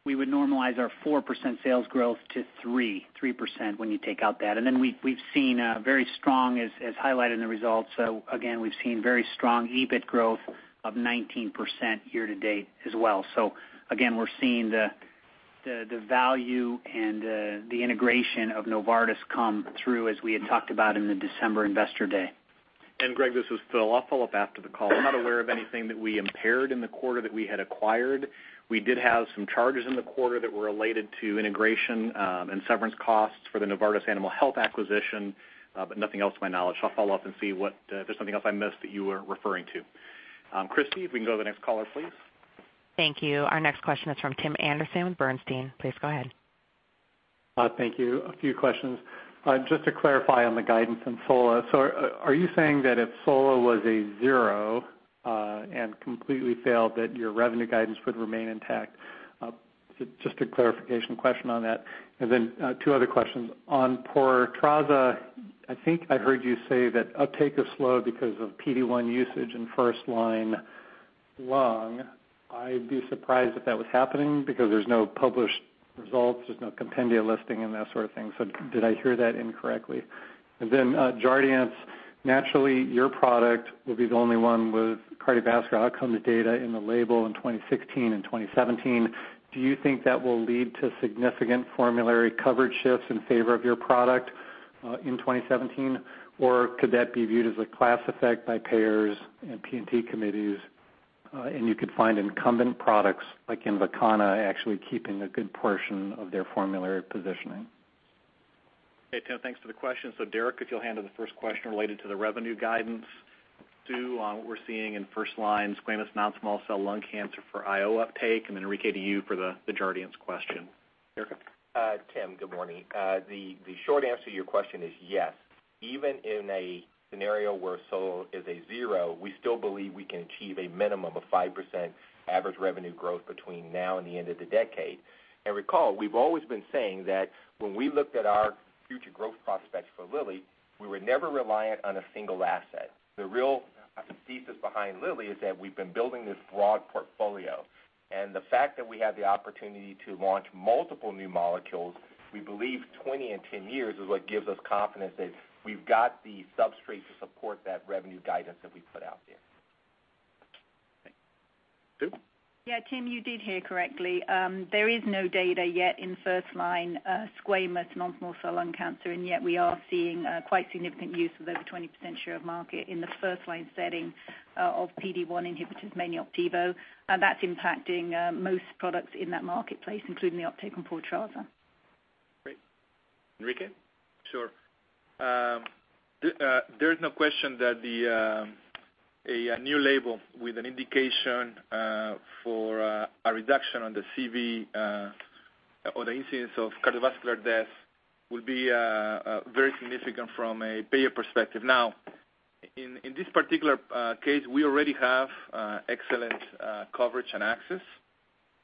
we would normalize our 4% sales growth to 3% when you take out that. We've seen very strong, as highlighted in the results, again, we've seen very strong EBIT growth of 19% year to date as well. Again, we're seeing the The value and the integration of Novartis come through as we had talked about in the December investor day. Gregg, this is Phil. I'll follow up after the call. I'm not aware of anything that we impaired in the quarter that we had acquired. We did have some charges in the quarter that were related to integration and severance costs for the Novartis Animal Health acquisition, nothing else to my knowledge. I'll follow up and see if there's something else I missed that you were referring to. Christy, if we can go to the next caller, please. Thank you. Our next question is from Timothy Anderson with Bernstein. Please go ahead. Thank you. A few questions. Just to clarify on the guidance in sola. Are you saying that if sola was a zero, and completely failed, that your revenue guidance would remain intact? Just a clarification question on that. Two other questions. On Portrazza, I think I heard you say that uptake is slow because of PD-1 usage in first-line lung. I'd be surprised if that was happening because there's no published results, there's no compendia listing and that sort of thing. Did I hear that incorrectly? Jardiance, naturally, your product will be the only one with cardiovascular outcome data in the label in 2016 and 2017. Do you think that will lead to significant formulary coverage shifts in favor of your product in 2017? Could that be viewed as a class effect by payers and P&T committees, and you could find incumbent products like Invokana actually keeping a good portion of their formulary positioning? Hey, Tim, thanks for the question. Derica, if you'll handle the first question related to the revenue guidance to what we're seeing in first-line squamous non-small cell lung cancer for IO uptake, Enrique to you for the Jardiance question. Derica? Tim, good morning. The short answer to your question is yes. Even in a scenario where sola is a zero, we still believe we can achieve a minimum of 5% average revenue growth between now and the end of the decade. Recall, we've always been saying that when we looked at our future growth prospects for Lilly, we were never reliant on a single asset. The real thesis behind Lilly is that we've been building this broad portfolio, and the fact that we have the opportunity to launch multiple new molecules, we believe 20 in 10 years is what gives us confidence that we've got the substrate to support that revenue guidance that we put out there. Sue? Yeah, Tim, you did hear correctly. There is no data yet in first-line squamous non-small cell lung cancer, and yet we are seeing quite significant use with over 20% share of market in the first-line setting of PD-1 inhibitors, mainly Opdivo. That's impacting most products in that marketplace, including the uptake on Portrazza. Great. Enrique? Sure. There's no question that a new label with an indication for a reduction on the CV or the incidence of cardiovascular death will be very significant from a payer perspective. Now, in this particular case, we already have excellent coverage and access.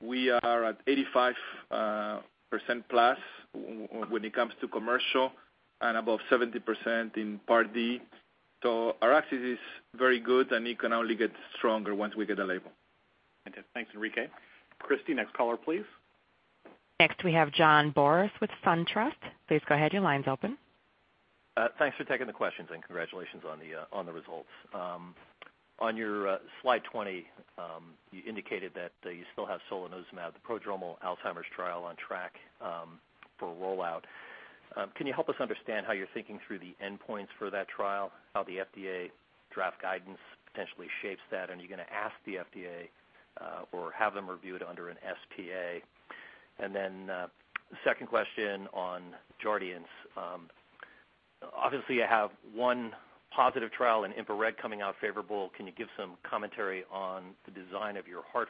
We are at 85% plus when it comes to commercial and above 70% in Part D. So our access is very good, and it can only get stronger once we get the label. Thanks, Enrique. Christy, next caller, please. Next we have John Boris with SunTrust. Please go ahead, your line's open. Thanks for taking the questions and congratulations on the results. On your slide 20, you indicated that you still have solanezumab, the prodromal Alzheimer's trial on track for rollout. Are you going to ask the FDA or have them review it under an SPA? The second question on Jardiance. Obviously, you have one positive trial in EMPA-REG coming out favorable. Can you give some commentary on the design of your heart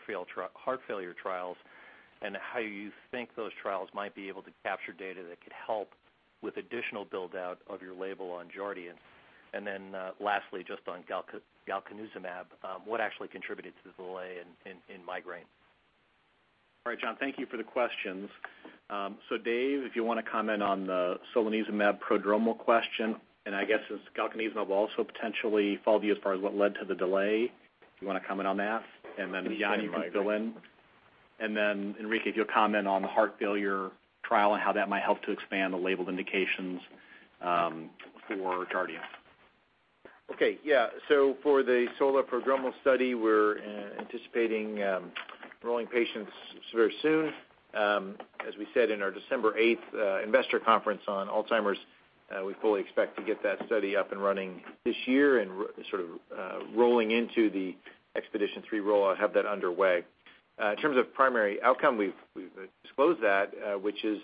failure trials and how you think those trials might be able to capture data that could help with additional build-out of your label on Jardiance? Lastly, just on galcanezumab, what actually contributed to the delay in migraine? All right, John, thank you for the questions. Dave, if you want to comment on the solanezumab prodromal question, and I guess as galcanezumab also potentially follow to you as far as what led to the delay. Do you want to comment on that? Jan, you can fill in. Enrique, if you'll comment on the heart failure trial and how that might help to expand the labeled indications for Jardiance. Okay. Yeah. For the sola prodromal study, we're anticipating enrolling patients very soon. As we said in our December 8th investor conference on Alzheimer's, we fully expect to get that study up and running this year and sort of rolling into the EXPEDITION3 rollout, have that underway. In terms of primary outcome, we've disclosed that, which is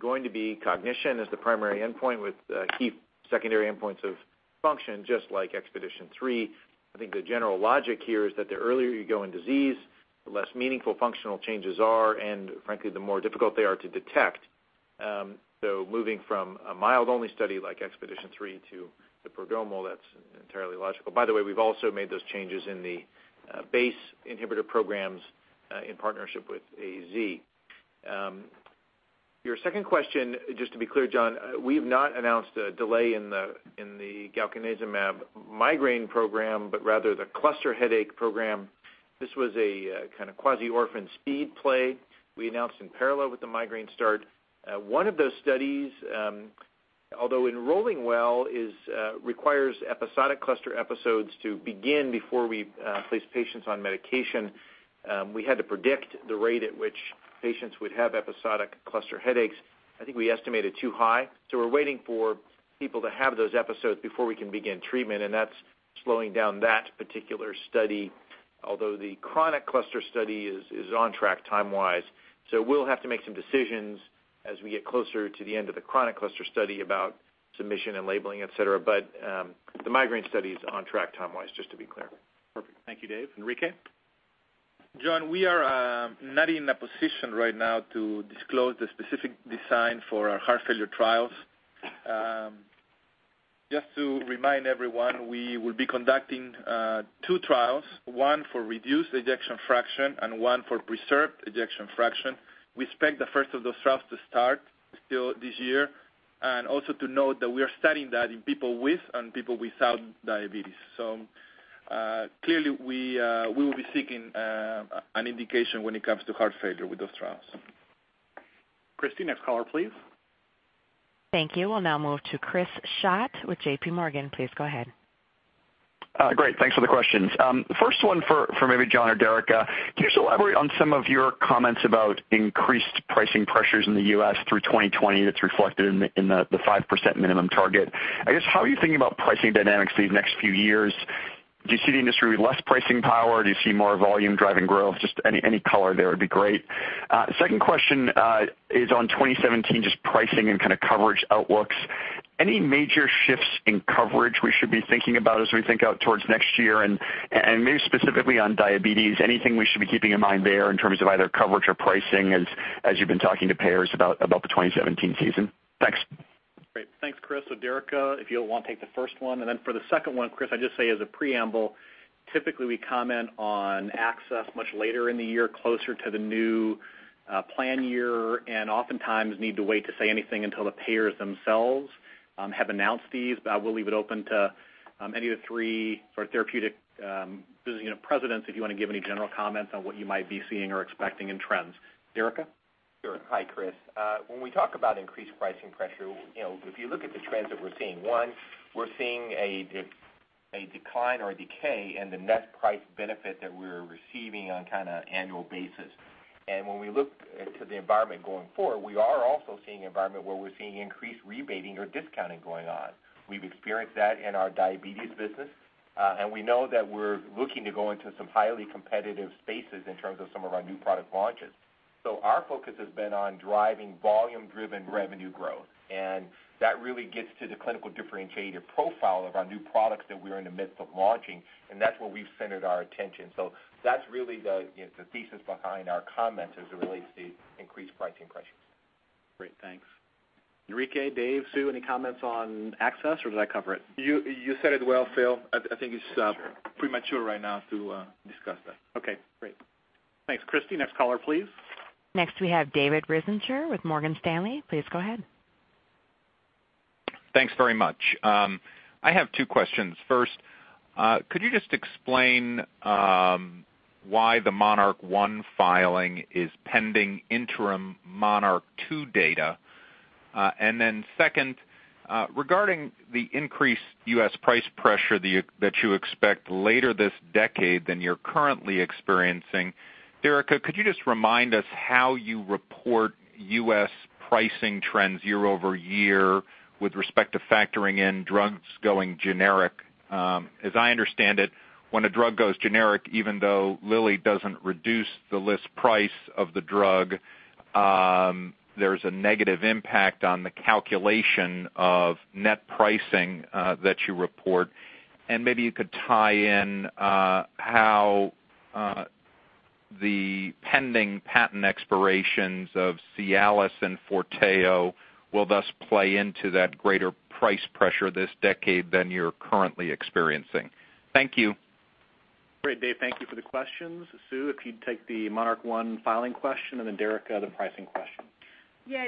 going to be cognition as the primary endpoint with key secondary endpoints of function, just like EXPEDITION3. I think the general logic here is that the earlier you go in disease, the less meaningful functional changes are, and frankly, the more difficult they are to detect. Moving from a mild-only study like EXPEDITION3 to the prodromal, that's entirely logical. By the way, we've also made those changes in the BACE inhibitor programs in partnership with AZ. Your second question, just to be clear, John, we've not announced a delay in the galcanezumab migraine program, but rather the cluster headache program. This was a kind of quasi-orphan speed play we announced in parallel with the migraine start. One of those studies although enrolling well requires episodic cluster episodes to begin before we place patients on medication. We had to predict the rate at which patients would have episodic cluster headaches. I think we estimated too high. We're waiting for people to have those episodes before we can begin treatment, and that's slowing down that particular study. Although the chronic cluster study is on track time-wise. We'll have to make some decisions as we get closer to the end of the chronic cluster study about submission and labeling, et cetera. The migraine study is on track time-wise, just to be clear. Perfect. Thank you, Dave. Enrique? John, we are not in a position right now to disclose the specific design for our heart failure trials. Just to remind everyone, we will be conducting two trials, one for reduced ejection fraction and one for preserved ejection fraction. We expect the first of those trials to start still this year, and also to note that we are studying that in people with and people without diabetes. Clearly we will be seeking an indication when it comes to heart failure with those trials. Christy, next caller, please. Thank you. We'll now move to Chris Schott with JPMorgan. Please go ahead. Great. Thanks for the questions. First one for maybe John or Derica. Can you just elaborate on some of your comments about increased pricing pressures in the U.S. through 2020 that's reflected in the 5% minimum target? I guess, how are you thinking about pricing dynamics these next few years? Do you see the industry with less pricing power? Do you see more volume driving growth? Just any color there would be great. Second question is on 2017, just pricing and kind of coverage outlooks. Any major shifts in coverage we should be thinking about as we think out towards next year? And maybe specifically on diabetes, anything we should be keeping in mind there in terms of either coverage or pricing as you've been talking to payers about the 2017 season? Thanks. Great. Thanks, Chris. Derica, if you want to take the first one. For the second one, Chris, I'd just say as a preamble, typically we comment on access much later in the year, closer to the new plan year, and oftentimes need to wait to say anything until the payers themselves have announced these. I will leave it open to any of the three sort of therapeutic business unit presidents, if you want to give any general comments on what you might be seeing or expecting in trends. Derica? Sure. Hi, Chris. When we talk about increased pricing pressure, if you look at the trends that we're seeing, one, we're seeing a decline or a decay in the net price benefit that we're receiving on kind of annual basis. When we look into the environment going forward, we are also seeing environment where we're seeing increased rebating or discounting going on. We've experienced that in our Lilly Diabetes business. We know that we're looking to go into some highly competitive spaces in terms of some of our new product launches. Our focus has been on driving volume-driven revenue growth, and that really gets to the clinical differentiator profile of our new products that we're in the midst of launching, and that's where we've centered our attention. That's really the thesis behind our comment as it relates to increased pricing pressures. Great. Thanks. Enrique, Dave, Sue, any comments on access, or did I cover it? You said it well, Phil. I think it's- Sure premature right now to discuss that. Okay, great. Thanks. Christy, next caller, please. Next we have David Risinger with Morgan Stanley. Please go ahead. Thanks very much. I have two questions. First could you just explain why the MONARCH 1 filing is pending interim MONARCH 2 data? Second regarding the increased U.S. price pressure that you expect later this decade than you're currently experiencing, Derica, could you just remind us how you report U.S. pricing trends year-over-year with respect to factoring in drugs going generic? As I understand it, when a drug goes generic, even though Lilly doesn't reduce the list price of the drug, there's a negative impact on the calculation of net pricing that you report. Maybe you could tie in how the pending patent expirations of Cialis and FORTEO will thus play into that greater price pressure this decade than you're currently experiencing. Thank you. Great, Dave. Thank you for the questions. Sue, if you'd take the MONARCH 1 filing question, and then Derica, the pricing question.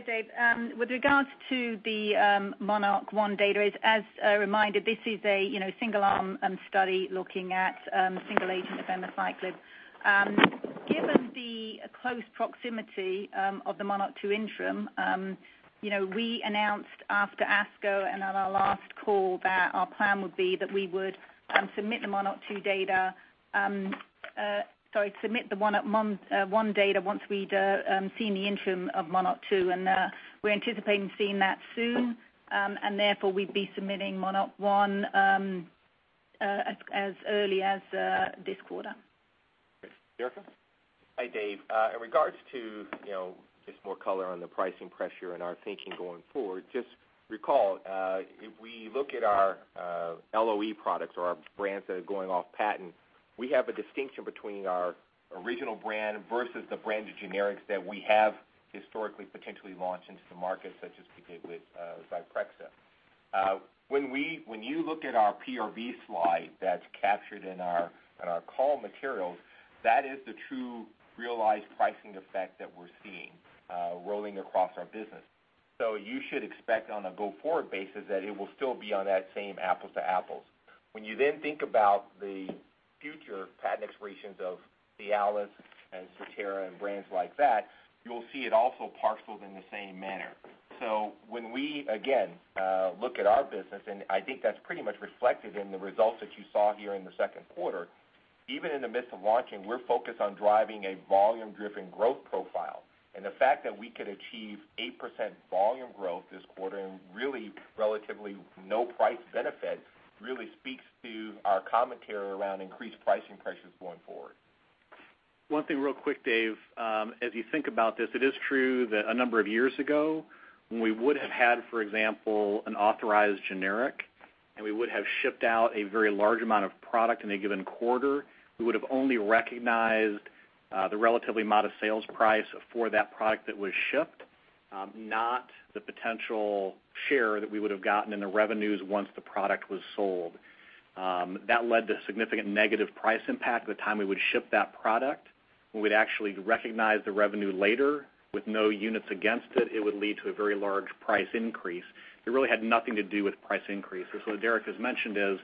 Dave. With regards to the MONARCH 1 data, as a reminder, this is a single arm study looking at single agent abemaciclib. Given the close proximity of the MONARCH 2 interim, we announced after ASCO and at our last call that our plan would be that we would submit the MONARCH 1 data once we'd seen the interim of MONARCH 2, and therefore, we'd be submitting MONARCH 1 as early as this quarter. Great. Derica? Hi, Dave. In regards to just more color on the pricing pressure and our thinking going forward, just recall if we look at our LOE products or our brands that are going off patent, we have a distinction between our original brand versus the branded generics that we have historically potentially launched into the market, such as we did with Zyprexa. When you look at our PRV slide that's captured in our call materials, that is the true realized pricing effect that we're seeing rolling across our business. You should expect on a go-forward basis that it will still be on that same apples-to-apples. You then think about the future patent expirations of Cialis and Strattera and brands like that, you'll see it also parceled in the same manner. When we, again, look at our business, and I think that's pretty much reflected in the results that you saw here in the second quarter, even in the midst of launching, we're focused on driving a volume-driven growth profile. The fact that we could achieve 8% volume growth this quarter and really relatively no price benefit really speaks to our commentary around increased pricing pressures going forward. One thing real quick, Dave, as you think about this, it is true that a number of years ago, when we would have had, for example, an authorized generic, and we would have shipped out a very large amount of product in a given quarter, we would have only recognized the relatively modest sales price for that product that was shipped, not the potential share that we would have gotten in the revenues once the product was sold. That led to significant negative price impact the time we would ship that product. When we'd actually recognize the revenue later with no units against it would lead to a very large price increase. It really had nothing to do with price increases. As Derica has mentioned is,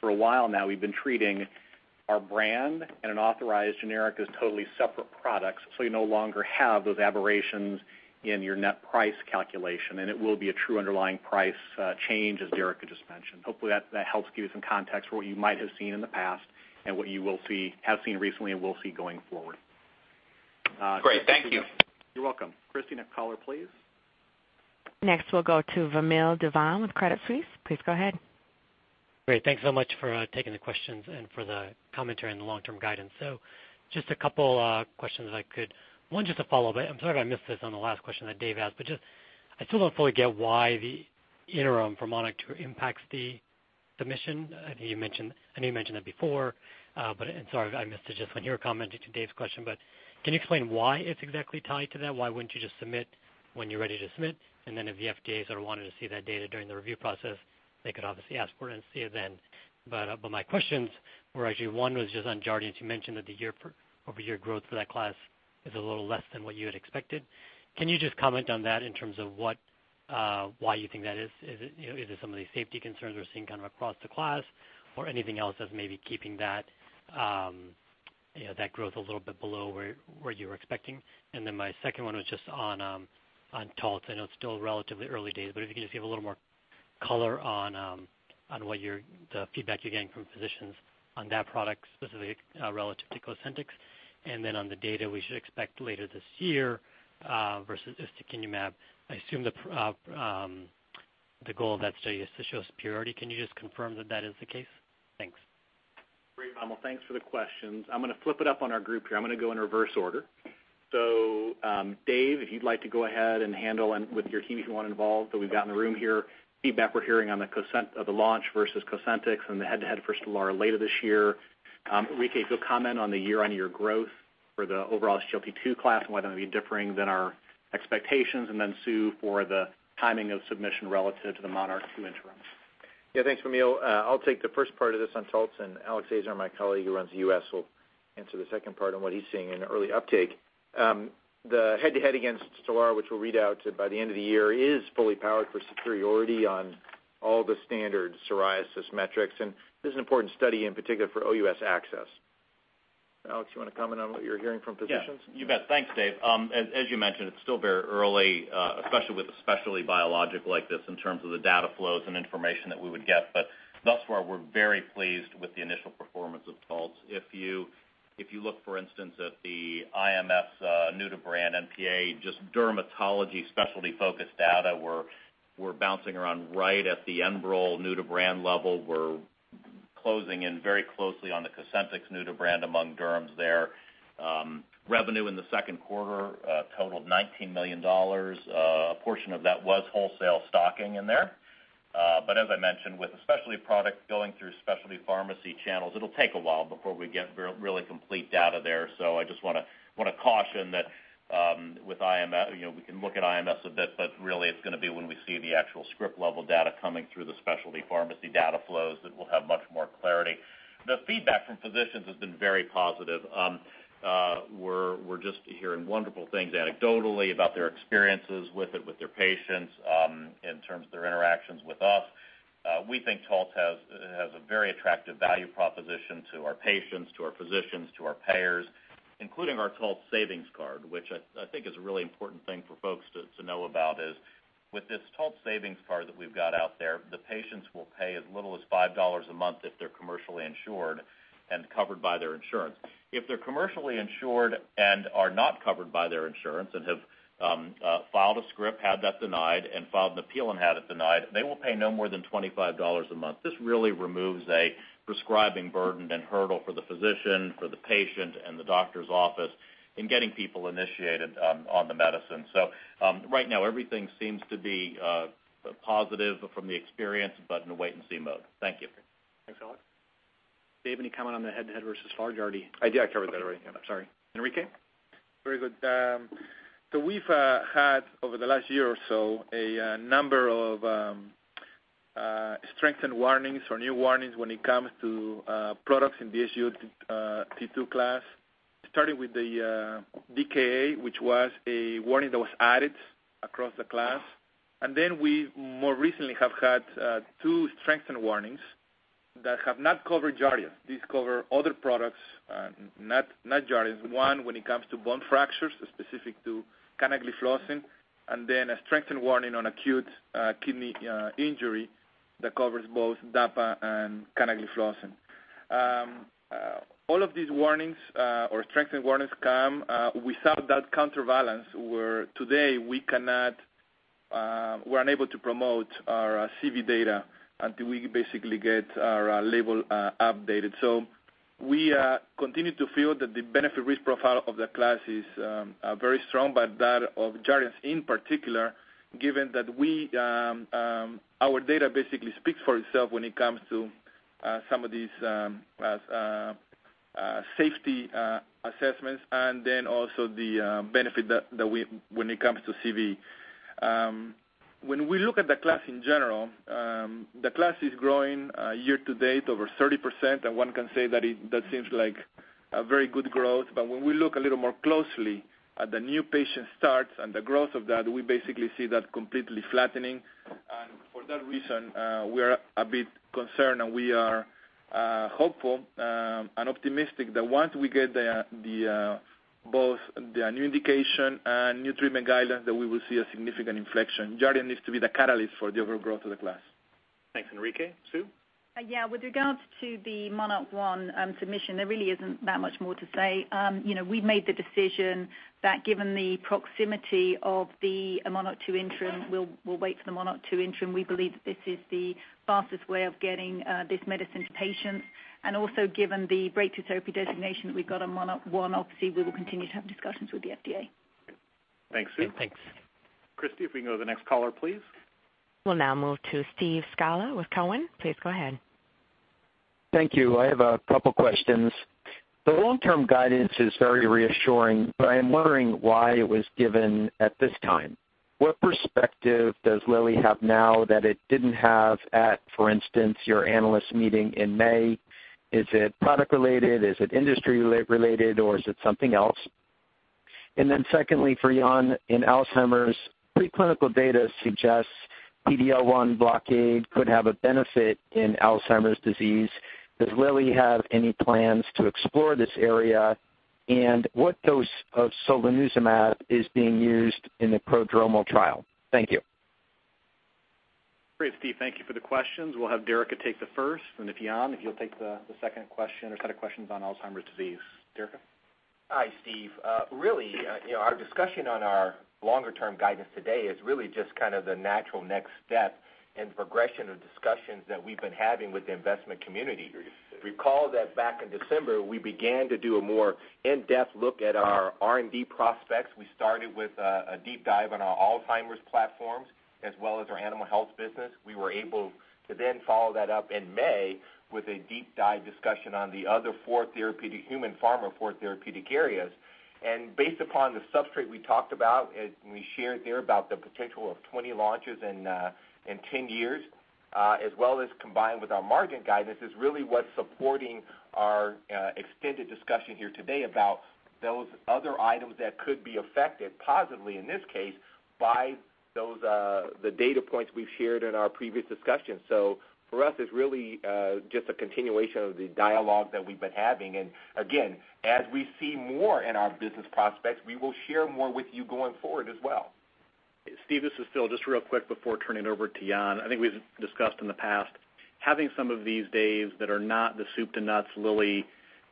for a while now, we've been treating our brand and an authorized generic as totally separate products. You no longer have those aberrations in your net price calculation, and it will be a true underlying price change, as Derica just mentioned. Hopefully, that helps give you some context for what you might have seen in the past and what you have seen recently and will see going forward. Great. Thank you. You're welcome. Christy, caller, please. Next, we'll go to Vamil Divan with Credit Suisse. Please go ahead. Great. Thanks so much for taking the questions and for the commentary on the long-term guidance. Just a couple questions if I could. One, just a follow-up. I'm sorry if I missed this on the last question that Dave asked, I still don't fully get why the interim for MONARCH 2 impacts the submission. I know you mentioned that before, and sorry if I missed it just when you were commenting to Dave's question, but can you explain why it's exactly tied to that? Why wouldn't you just submit when you're ready to submit? Then if the FDA sort of wanted to see that data during the review process, they could obviously ask for it and see it then. My questions were actually, one was just on Jardiance. You mentioned that the year-over-year growth for that class is a little less than what you had expected. Can you just comment on that in terms of why you think that is? Is it some of the safety concerns we're seeing kind of across the class or anything else that's maybe keeping that growth a little bit below where you were expecting? My second one was just on Taltz. I know it's still relatively early days, but if you can just give a little more color on the feedback you're getting from physicians on that product specifically relative to COSENTYX. On the data we should expect later this year versus ustekinumab, I assume the goal of that study is to show superiority. Can you just confirm that that is the case? Thanks. Great, Vamil. Thanks for the questions. I'm going to flip it up on our group here. I'm going to go in reverse order. Dave, if you'd like to go ahead and handle and with your team, if you want involved that we've got in the room here, feedback we're hearing on the launch versus COSENTYX and the head-to-head versus ustekinumab later this year. Enrique, if you'll comment on the year-on-year growth for the overall SGLT2 class and why that might be differing than our expectations, Sue for the timing of submission relative to the MONARCH 2 interim. Thanks, Vamil. I'll take the first part of this on Taltz, and Alex Azar, my colleague who runs the U.S., will answer the second part on what he's seeing in early uptake. The head-to-head against STELARA, which we'll read out by the end of the year, is fully powered for superiority on all the standard psoriasis metrics, and this is an important study, in particular for OUS access. Alex, you want to comment on what you're hearing from physicians? You bet. Thanks, Dave. As you mentioned, it's still very early, especially with a specialty biologic like this in terms of the data flows and information that we would get. Thus far, we're very pleased with the initial performance of Taltz. If you look, for instance, at the IMS new-to-brand NPA, just dermatology specialty-focused data, we're bouncing around right at the ENBREL new-to-brand level. We're closing in very closely on the COSENTYX new-to-brand among derms there. Revenue in the second quarter totaled $19 million. A portion of that was wholesale stocking in there. As I mentioned, with a specialty product going through specialty pharmacy channels, it'll take a while before we get really complete data there. I just want to caution that we can look at IMS a bit, but really it's going to be when we see the actual script-level data coming through the specialty pharmacy data flows that we'll have much more clarity. The feedback from physicians has been very positive. We're just hearing wonderful things anecdotally about their experiences with it, with their patients, in terms of their interactions with us. We think Taltz has a very attractive value proposition to our patients, to our physicians, to our payers, including our Taltz savings card, which I think is a really important thing for folks to know about is with this Taltz savings card that we've got out there, the patients will pay as little as $5 a month if they're commercially insured and covered by their insurance. If they're commercially insured and are not covered by their insurance and have filed a script, had that denied, and filed an appeal and had it denied, they will pay no more than $25 a month. This really removes a prescribing burden and hurdle for the physician, for the patient, and the doctor's office in getting people initiated on the medicine. Right now, everything seems to be positive from the experience, but in a wait-and-see mode. Thank you. Thanks, Alex. Dave, any comment on the head-to-head versus (STELARA) already? Yeah, I covered that already. I'm sorry. Enrique? Very good. We've had, over the last year or so, a number of strengthened warnings or new warnings when it comes to products in the SGLT2 class. Starting with the DKA, which was a warning that was added across the class. We more recently have had two strengthened warnings that have not covered Jardiance. These cover other products, not Jardiance. One, when it comes to bone fractures specific to canagliflozin, and then a strengthened warning on acute kidney injury that covers both dapagliflozin and canagliflozin. All of these warnings or strengthened warnings come without that counterbalance, where today we're unable to promote our CV data until we basically get our label updated. We continue to feel that the benefit risk profile of the class is very strong, but that of Jardiance in particular, given that our data basically speaks for itself when it comes to some of these safety assessments and then also the benefit that when it comes to CV. When we look at the class in general, the class is growing year to date over 30%. One can say that seems like a very good growth. When we look a little more closely at the new patient starts and the growth of that, we basically see that completely flattening. For that reason, we are a bit concerned, and we are hopeful and optimistic that once we get both the new indication and new treatment guidelines, that we will see a significant inflection. Jardiance needs to be the catalyst for the overall growth of the class. Thanks, Enrique. Sue? Yeah. With regards to the MONARCH 1 submission, there really isn't that much more to say. We made the decision that given the proximity of the MONARCH 2 interim, we'll wait for the MONARCH 2 interim. We believe that this is the fastest way of getting this medicine to patients. Also given the breakthrough therapy designation that we've got on MONARCH 1, obviously, we will continue to have discussions with the FDA. Thanks, Sue. Thanks. Christy, if we can go to the next caller, please. We'll now move to Steve Scala with Cowen. Please go ahead. Thank you. I have a couple of questions. The long-term guidance is very reassuring, I am wondering why it was given at this time. What perspective does Lilly have now that it didn't have at, for instance, your analyst meeting in May? Is it product related? Is it industry related, or is it something else? Secondly, for Jan, in Alzheimer's, pre-clinical data suggests PD-L1 blockade could have a benefit in Alzheimer's disease. Does Lilly have any plans to explore this area, and what dose of solanezumab is being used in the prodromal trial? Thank you. Great, Steve. Thank you for the questions. We'll have Derica take the first, if Jan, if you'll take the second question or set of questions on Alzheimer's disease. Derica? Hi, Steve. Really, our discussion on our longer term guidance today is really just kind of the natural next step in progression of discussions that we've been having with the investment community. Recall that back in December, we began to do a more in-depth look at our R&D prospects. We started with a deep dive on our Alzheimer's platforms as well as our animal health business. We were able to follow that up in May with a deep dive discussion on the other four therapeutic human pharma, 4 therapeutic areas. Based upon the substrate we talked about and we shared there about the potential of 20 launches in 10 years, as well as combined with our margin guidance, is really what's supporting our extended discussion here today about those other items that could be affected positively, in this case, by the data points we've shared in our previous discussions. For us, it's really just a continuation of the dialogue that we've been having. Again, as we see more in our business prospects, we will share more with you going forward as well. Steve, this is Phil. Just real quick before turning it over to Jan. I think we've discussed in the past having some of these days that are not the soup to nuts Lilly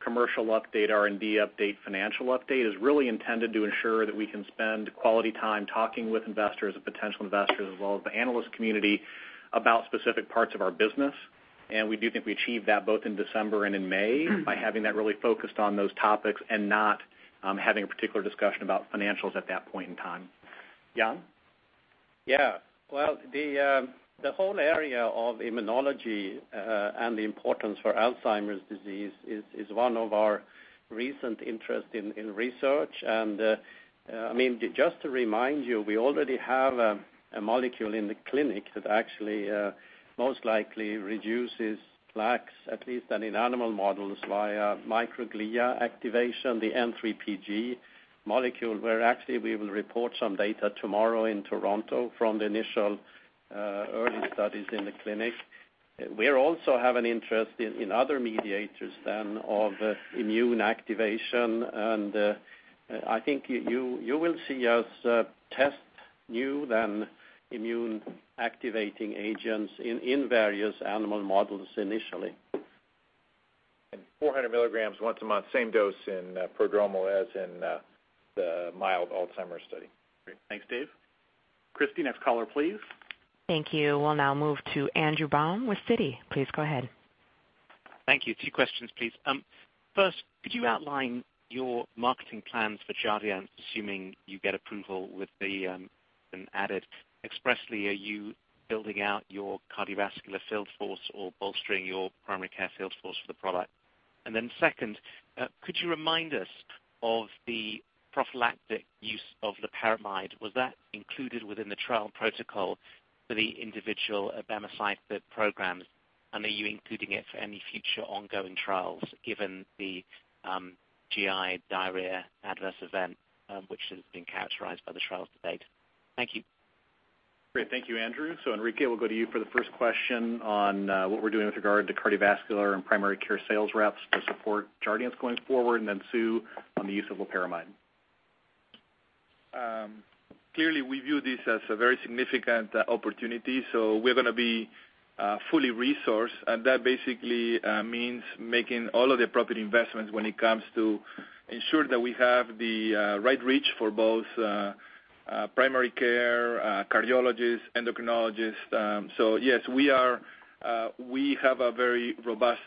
commercial update, R&D update, financial update, is really intended to ensure that we can spend quality time talking with investors and potential investors, as well as the analyst community about specific parts of our business. We do think we achieved that both in December and in May by having that really focused on those topics and not having a particular discussion about financials at that point in time. Jan? Yeah. Well, the whole area of immunology and the importance for Alzheimer's disease is one of our recent interest in research. Just to remind you, we already have a molecule in the clinic that actually most likely reduces plaques, at least in animal models, via microglia activation, the N3pG molecule, where actually we will report some data tomorrow in Toronto from the initial early studies in the clinic. We also have an interest in other mediators then of immune activation, I think you will see us test new then immune activating agents in various animal models initially. 400 milligrams once a month, same dose in prodromal as in the mild Alzheimer's study. Great. Thanks, Dave. Christy, next caller, please. Thank you. We'll now move to Andrew Baum with Citi. Please go ahead. Thank you. Two questions, please. First, could you outline your marketing plans for Jardiance, assuming you get approval with the added expressly, are you building out your cardiovascular sales force or bolstering your primary care sales force for the product? Second, could you remind us of the prophylactic use of loperamide? Was that included within the trial protocol for the individual abemaciclib programs? Are you including it for any future ongoing trials, given the GI diarrhea adverse event, which has been characterized by the trials to date? Thank you. Great. Thank you, Andrew. Enrique, we'll go to you for the first question on what we're doing with regard to cardiovascular and primary care sales reps to support Jardiance going forward, and then Sue on the use of loperamide. Clearly, we view this as a very significant opportunity. We're going to be fully resourced, and that basically means making all of the appropriate investments when it comes to ensuring that we have the right reach for both primary care cardiologists, endocrinologists. Yes, we have a very robust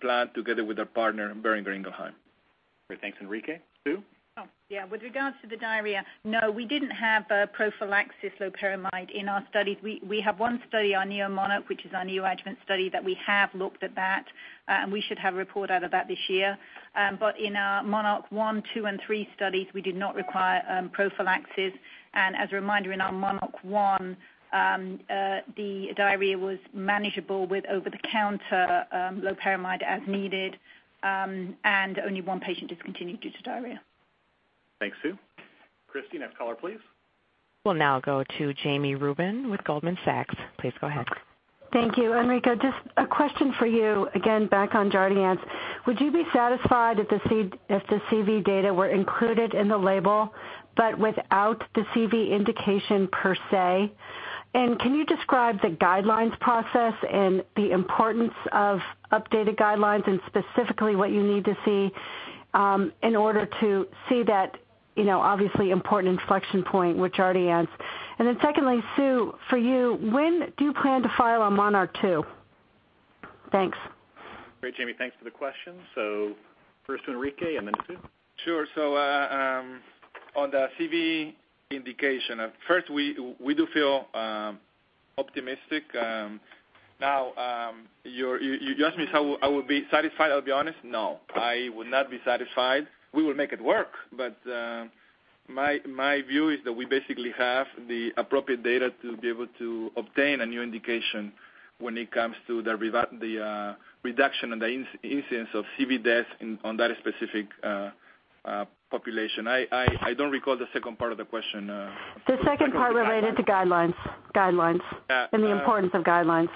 plan together with our partner, Boehringer Ingelheim. Great. Thanks, Enrique. Sue? Oh, yeah. With regards to the diarrhea, no, we didn't have prophylaxis loperamide in our studies. We have one study on neoMONARCH, which is our neoadjuvant study that we have looked at that, and we should have a report out about this year. In our MONARCH 1, 2 and 3 studies, we did not require prophylaxis. As a reminder, in our MONARCH 1, the diarrhea was manageable with over-the-counter loperamide as needed. Only one patient discontinued due to diarrhea. Thanks, Sue. Christine, next caller, please. We'll now go to Jami Rubin with Goldman Sachs. Please go ahead. Thank you. Enrique, just a question for you. Again, back on Jardiance. Would you be satisfied if the CV data were included in the label, but without the CV indication, per se? Can you describe the guidelines process and the importance of updated guidelines and specifically what you need to see in order to see that obviously important inflection point with Jardiance? Secondly, Sue, for you, when do you plan to file on MONARCH 2? Thanks. Great, Jami. Thanks for the question. First to Enrique and then to Sue. Sure. On the CV indication, at first, we do feel optimistic. Now, you asked me if I would be satisfied. I'll be honest, no, I would not be satisfied. We will make it work. My view is that we basically have the appropriate data to be able to obtain a new indication when it comes to the reduction in the incidence of CV death on that specific population. I don't recall the second part of the question. The second part related to guidelines. Guidelines and the importance of guidelines.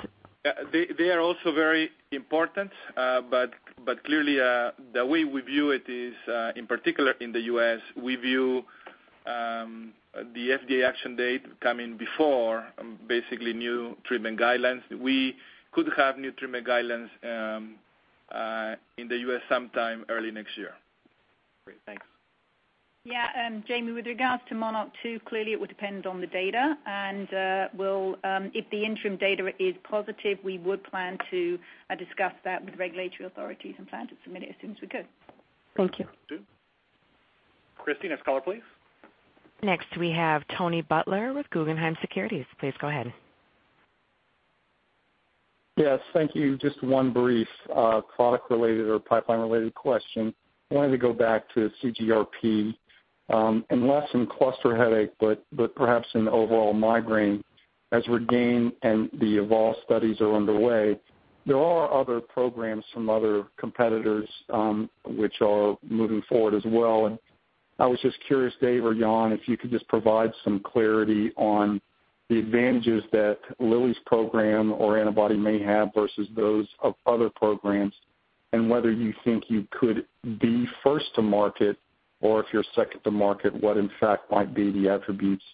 They are also very important. Clearly, the way we view it is, in particular in the U.S., we view the FDA action date coming before basically new treatment guidelines. We could have new treatment guidelines in the U.S. sometime early next year. Great. Thanks. Jami, with regards to MONARCH 2, clearly it would depend on the data, and if the interim data is positive, we would plan to discuss that with regulatory authorities and plan to submit it as soon as we could. Thank you. Thanks, Sue. Christine, next caller, please. Next, we have Tony Butler with Guggenheim Securities. Please go ahead. Yes. Thank you. Just one brief product-related or pipeline-related question. I wanted to go back to CGRP, less in cluster headache, but perhaps in overall migraine as REGAIN and the EVOLVE studies are underway. There are other programs from other competitors which are moving forward as well. I was just curious, Dave or Jan, if you could just provide some clarity on the advantages that Lilly's program or antibody may have versus those of other programs, and whether you think you could be first to market, or if you're second to market, what in fact might be the attributes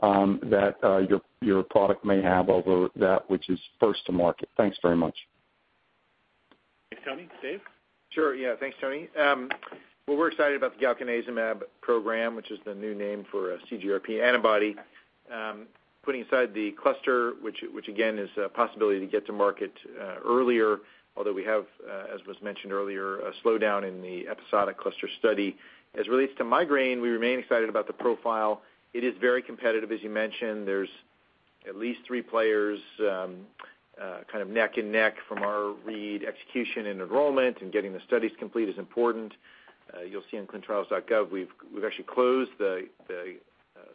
that your product may have over that which is first to market. Thanks very much. Thanks, Tony. Dave? Thanks, Tony. We're excited about the galcanezumab program, which is the new name for CGRP antibody. Putting aside the cluster, which again is a possibility to get to market earlier, although we have, as was mentioned earlier, a slowdown in the episodic cluster study. As it relates to migraine, we remain excited about the profile. It is very competitive, as you mentioned. There's at least three players kind of neck and neck from our read. Execution and enrollment and getting the studies complete is important. You'll see on clinicaltrials.gov, we've actually closed the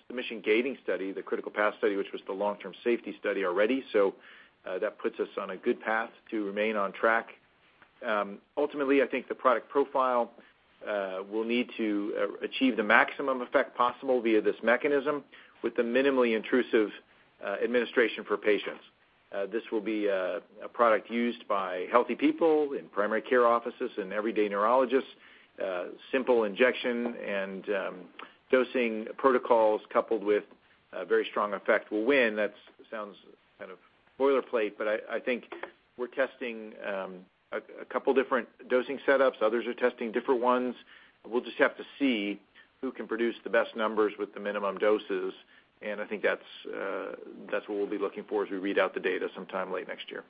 submission gating study, the critical path study, which was the long-term safety study already. That puts us on a good path to remain on track. Ultimately, I think the product profile will need to achieve the maximum effect possible via this mechanism with the minimally intrusive administration for patients. This will be a product used by healthy people in primary care offices and everyday neurologists. Simple injection and dosing protocols coupled with a very strong effect will win. That sounds kind of boilerplate, but I think we're testing a couple different dosing setups. Others are testing different ones. We'll just have to see who can produce the best numbers with the minimum doses. I think that's what we'll be looking for as we read out the data sometime late next year.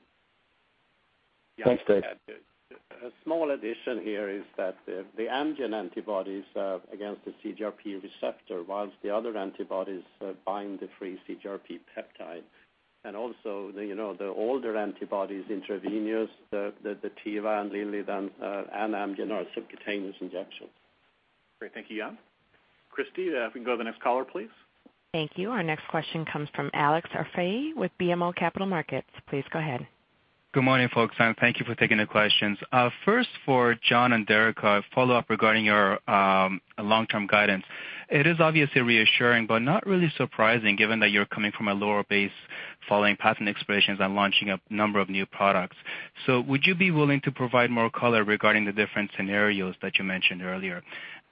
Thanks, Dave. A small addition here is that the Amgen antibodies against the CGRP receptor, whilst the other antibodies bind the free CGRP peptide. Also, the older antibodies intravenous, the Teva and Lilly and Amgen are subcutaneous injection. Great. Thank you, Jan. Christy, if we can go to the next caller, please. Thank you. Our next question comes from Alex Arfaei with BMO Capital Markets. Please go ahead. Good morning, folks, and thank you for taking the questions. First for John and Derica, a follow-up regarding your long-term guidance. It is obviously reassuring, but not really surprising given that you're coming from a lower base following patent expirations and launching a number of new products. Would you be willing to provide more color regarding the different scenarios that you mentioned earlier?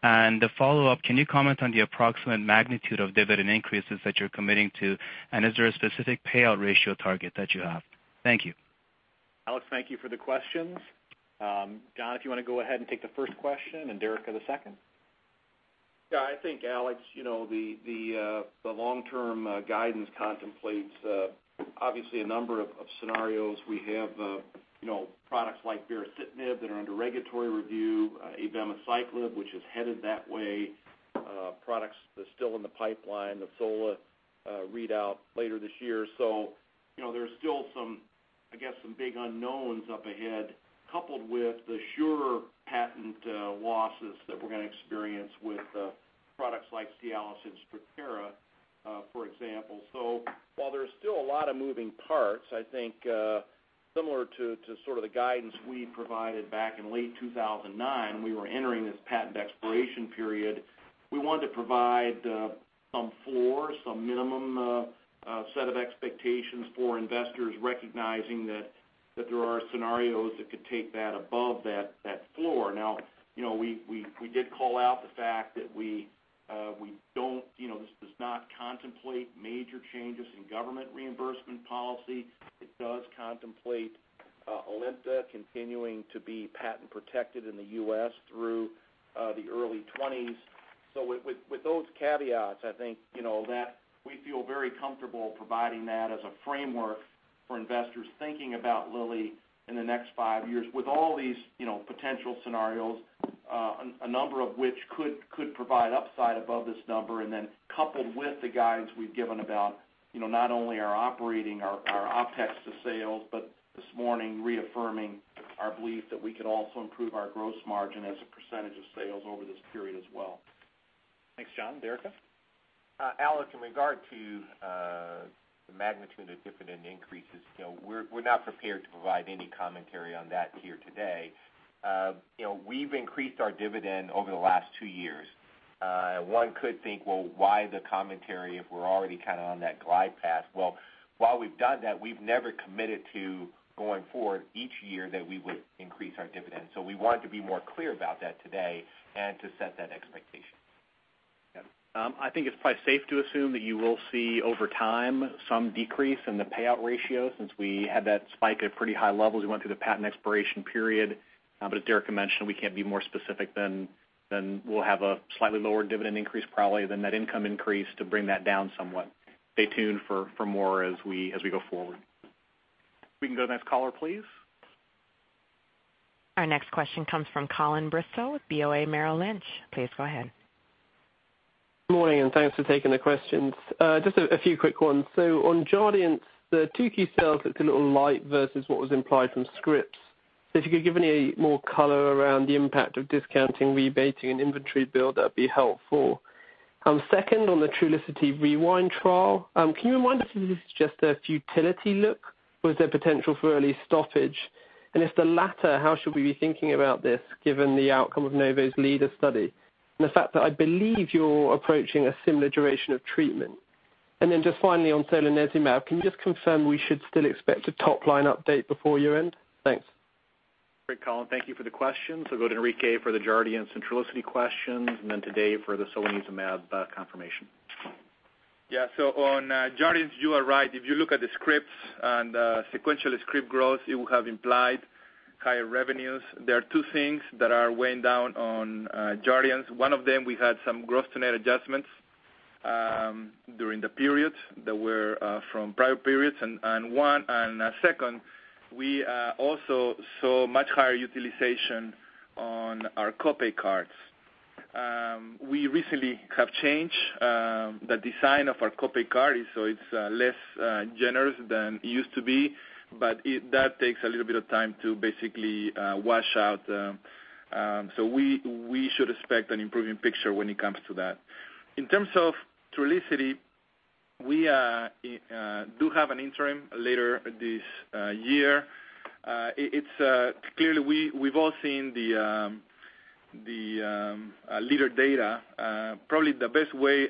The follow-up, can you comment on the approximate magnitude of dividend increases that you're committing to, and is there a specific payout ratio target that you have? Thank you. Alex, thank you for the questions. John, if you want to go ahead and take the first question, and Derica on the second. Yeah, I think, Alex, the long-term guidance contemplates obviously a number of scenarios. We have products like baricitinib that are under regulatory review, abemaciclib, which is headed that way, products that are still in the pipeline of solanezumab readout later this year. There's still some, I guess, some big unknowns up ahead, coupled with the sure patent losses that we're going to experience with products like Cialis and Strattera, for example. While there's still a lot of moving parts, I think similar to sort of the guidance we provided back in late 2009, we were entering this patent expiration period. We wanted to provide some floor, some minimum set of expectations for investors, recognizing that there are scenarios that could take that above that floor. We did call out the fact that this does not contemplate major changes in government reimbursement policy. It does contemplate Alimta continuing to be patent protected in the U.S. through the early 2020s. With those caveats, I think, that we feel very comfortable providing that as a framework for investors thinking about Lilly in the next five years with all these potential scenarios, a number of which could provide upside above this number. Coupled with the guidance we've given about not only our OPEX to sales, but this morning reaffirming our belief that we could also improve our gross margin as a percentage of sales over this period as well. Thanks, John. Derica? Alex, in regard to the magnitude of dividend increases, we're not prepared to provide any commentary on that here today. We've increased our dividend over the last two years. One could think, "Well, why the commentary if we're already kind of on that glide path?" Well, while we've done that, we've never committed to going forward each year that we would increase our dividend. We wanted to be more clear about that today and to set that expectation. I think it's probably safe to assume that you will see over time some decrease in the payout ratio since we had that spike at pretty high levels. We went through the patent expiration period. As Derica had mentioned, we can't be more specific than we'll have a slightly lower dividend increase probably than that income increase to bring that down somewhat. Stay tuned for more as we go forward. We can go to the next caller, please. Our next question comes from Colin Bristow with BofA Merrill Lynch. Please go ahead. Good morning, thanks for taking the questions. Just a few quick ones. On Jardiance, the two key sales looked a little light versus what was implied from scripts. If you could give any more color around the impact of discounting, rebating, inventory build, that'd be helpful. Second, on the Trulicity REWIND trial, can you remind us if this is just a futility look or is there potential for early stoppage? If the latter, how should we be thinking about this given the outcome of Novo's LEADER study and the fact that I believe you're approaching a similar duration of treatment? Just finally on solanezumab, can you just confirm we should still expect a top-line update before year-end? Thanks. Great, Colin. Thank you for the question. Go to Enrique for the Jardiance and Trulicity questions, then to Dave for the solanezumab confirmation. Yeah. On Jardiance, you are right. If you look at the scripts and sequential script growth, it will have implied higher revenues. There are two things that are weighing down on Jardiance. One of them, we had some gross-to-net adjustments during the period that were from prior periods and second, we also saw much higher utilization on our copay cards. We recently have changed the design of our copay card, so it's less generous than it used to be, but that takes a little bit of time to basically wash out. We should expect an improving picture when it comes to that. In terms of Trulicity, we do have an interim later this year. Clearly, we've all seen the LEADER data. Probably the best way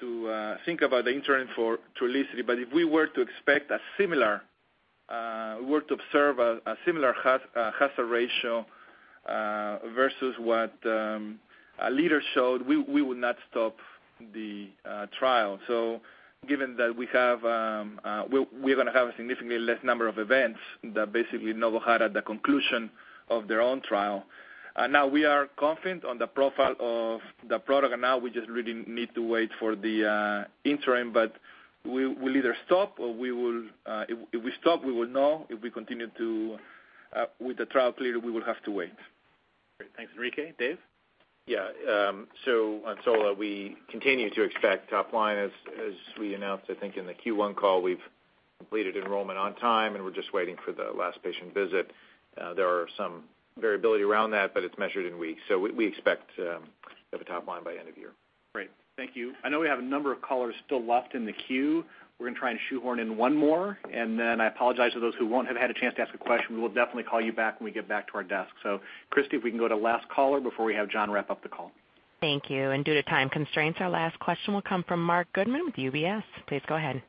to think about the interim for Trulicity. If we were to observe a similar hazard ratio versus what a LEADER showed, we would not stop the trial. Given that we're going to have a significantly less number of events that basically Novo had at the conclusion of their own trial. We are confident on the profile of the product and we just really need to wait for the interim, but we will either stop or we will. If we stop, we will know. If we continue with the trial, we will have to wait. Great. Thanks, Enrique. Dave? Yeah. On solanezumab, we continue to expect top line as we announced, I think, in the Q1 call. We've completed enrollment on time, and we're just waiting for the last patient visit. There are some variability around that, but it's measured in weeks. We expect to have a top line by end of year. Great. Thank you. I know we have a number of callers still left in the queue. We're going to try and shoehorn in one more, then I apologize to those who won't have had a chance to ask a question. We will definitely call you back when we get back to our desk. Christy, if we can go to last caller before we have John wrap up the call. Thank you. Due to time constraints, our last question will come from Marc Goodman with UBS. Please go ahead.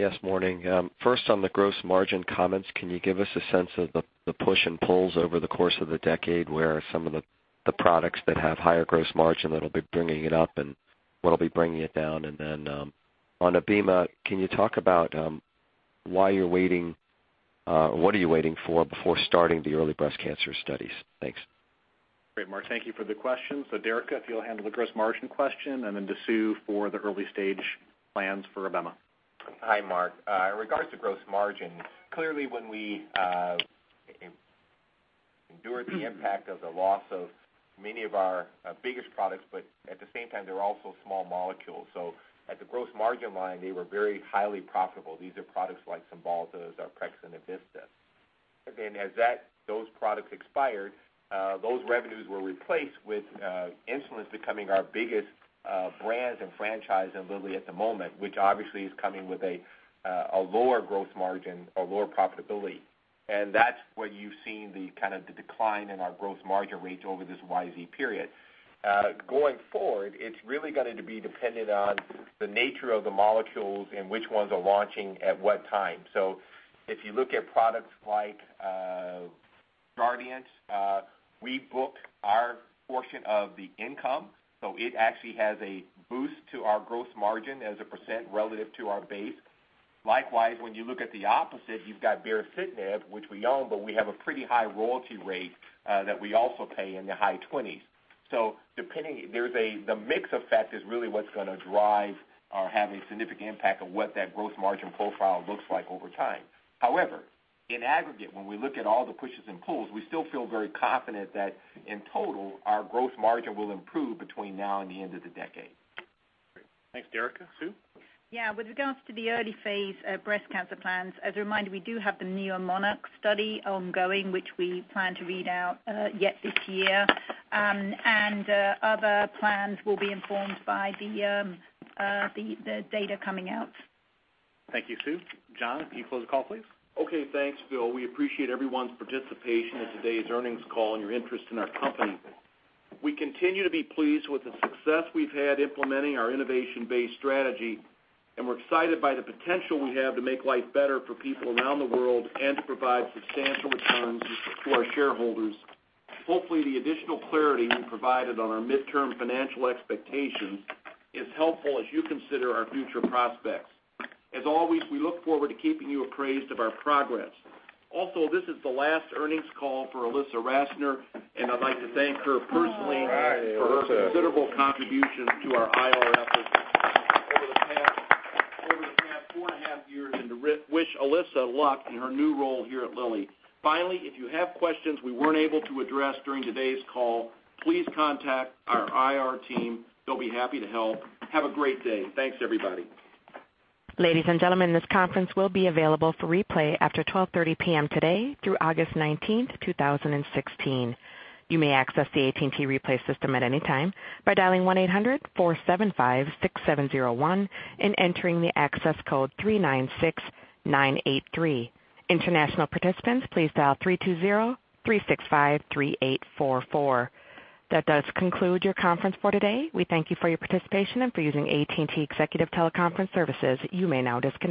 Yes, morning. First, on the gross margin comments, can you give us a sense of the push and pulls over the course of the decade? Where are some of the products that have higher gross margin that'll be bringing it up, and what'll be bringing it down? Then on Abema, can you talk about why you're waiting? What are you waiting for before starting the early breast cancer studies? Thanks. Great, Marc. Thank you for the question. Derica, if you'll handle the gross margin question and then to Sue for the early-stage plans for Abema. Hi, Marc. In regards to gross margin, clearly when we endured the impact of the loss of many of our biggest products, at the same time, they were also small molecules, at the gross margin line, they were very highly profitable. These are products like Cymbalta, Zyprexa, and Evista. As those products expired, those revenues were replaced with insulins becoming our biggest brands and franchise in Eli Lilly and Company at the moment, which obviously is coming with a lower gross margin, a lower profitability. That's what you've seen the kind of the decline in our gross margin rates over this YZ period. Going forward, it's really going to be dependent on the nature of the molecules and which ones are launching at what time. If you look at products like Jardiance, we book our portion of the income, so it actually has a boost to our gross margin as a percent relative to our base. Likewise, when you look at the opposite, you've got baricitinib, which we own, but we have a pretty high royalty rate that we also pay in the high 20s. The mix effect is really what's going to drive or have a significant impact on what that gross margin profile looks like over time. However, in aggregate, when we look at all the pushes and pulls, we still feel very confident that in total, our gross margin will improve between now and the end of the decade. Great. Thanks, Derica. Susan? Yeah. With regards to the early phase breast cancer plans, as a reminder, we do have the neoMONARCH study ongoing, which we plan to read out yet this year. Other plans will be informed by the data coming out. Thank you, Susan. John C. Lechleiter, can you close the call, please? Okay, thanks, Phil. We appreciate everyone's participation in today's earnings call and your interest in our company. We continue to be pleased with the success we've had implementing our innovation-based strategy, and we're excited by the potential we have to make life better for people around the world and to provide substantial returns for our shareholders. Hopefully, the additional clarity we provided on our midterm financial expectations is helpful as you consider our future prospects. As always, we look forward to keeping you appraised of our progress. Also, this is the last earnings call for Ilissa Rassner, and I'd like to thank her personally- All right. -for her considerable contribution to our IR efforts over the past four and a half years, and to wish Ilissa luck in her new role here at Lilly. Finally, if you have questions we weren't able to address during today's call, please contact our IR team. They'll be happy to help. Have a great day. Thanks, everybody. Ladies and gentlemen, this conference will be available for replay after 12:30 P.M. today through August 19th, 2016. You may access the AT&T replay system at any time by dialing 1-800-475-6701 and entering the access code 396983. International participants, please dial 320-365-3844. That does conclude your conference for today. We thank you for your participation and for using AT&T Executive Teleconference Services. You may now disconnect.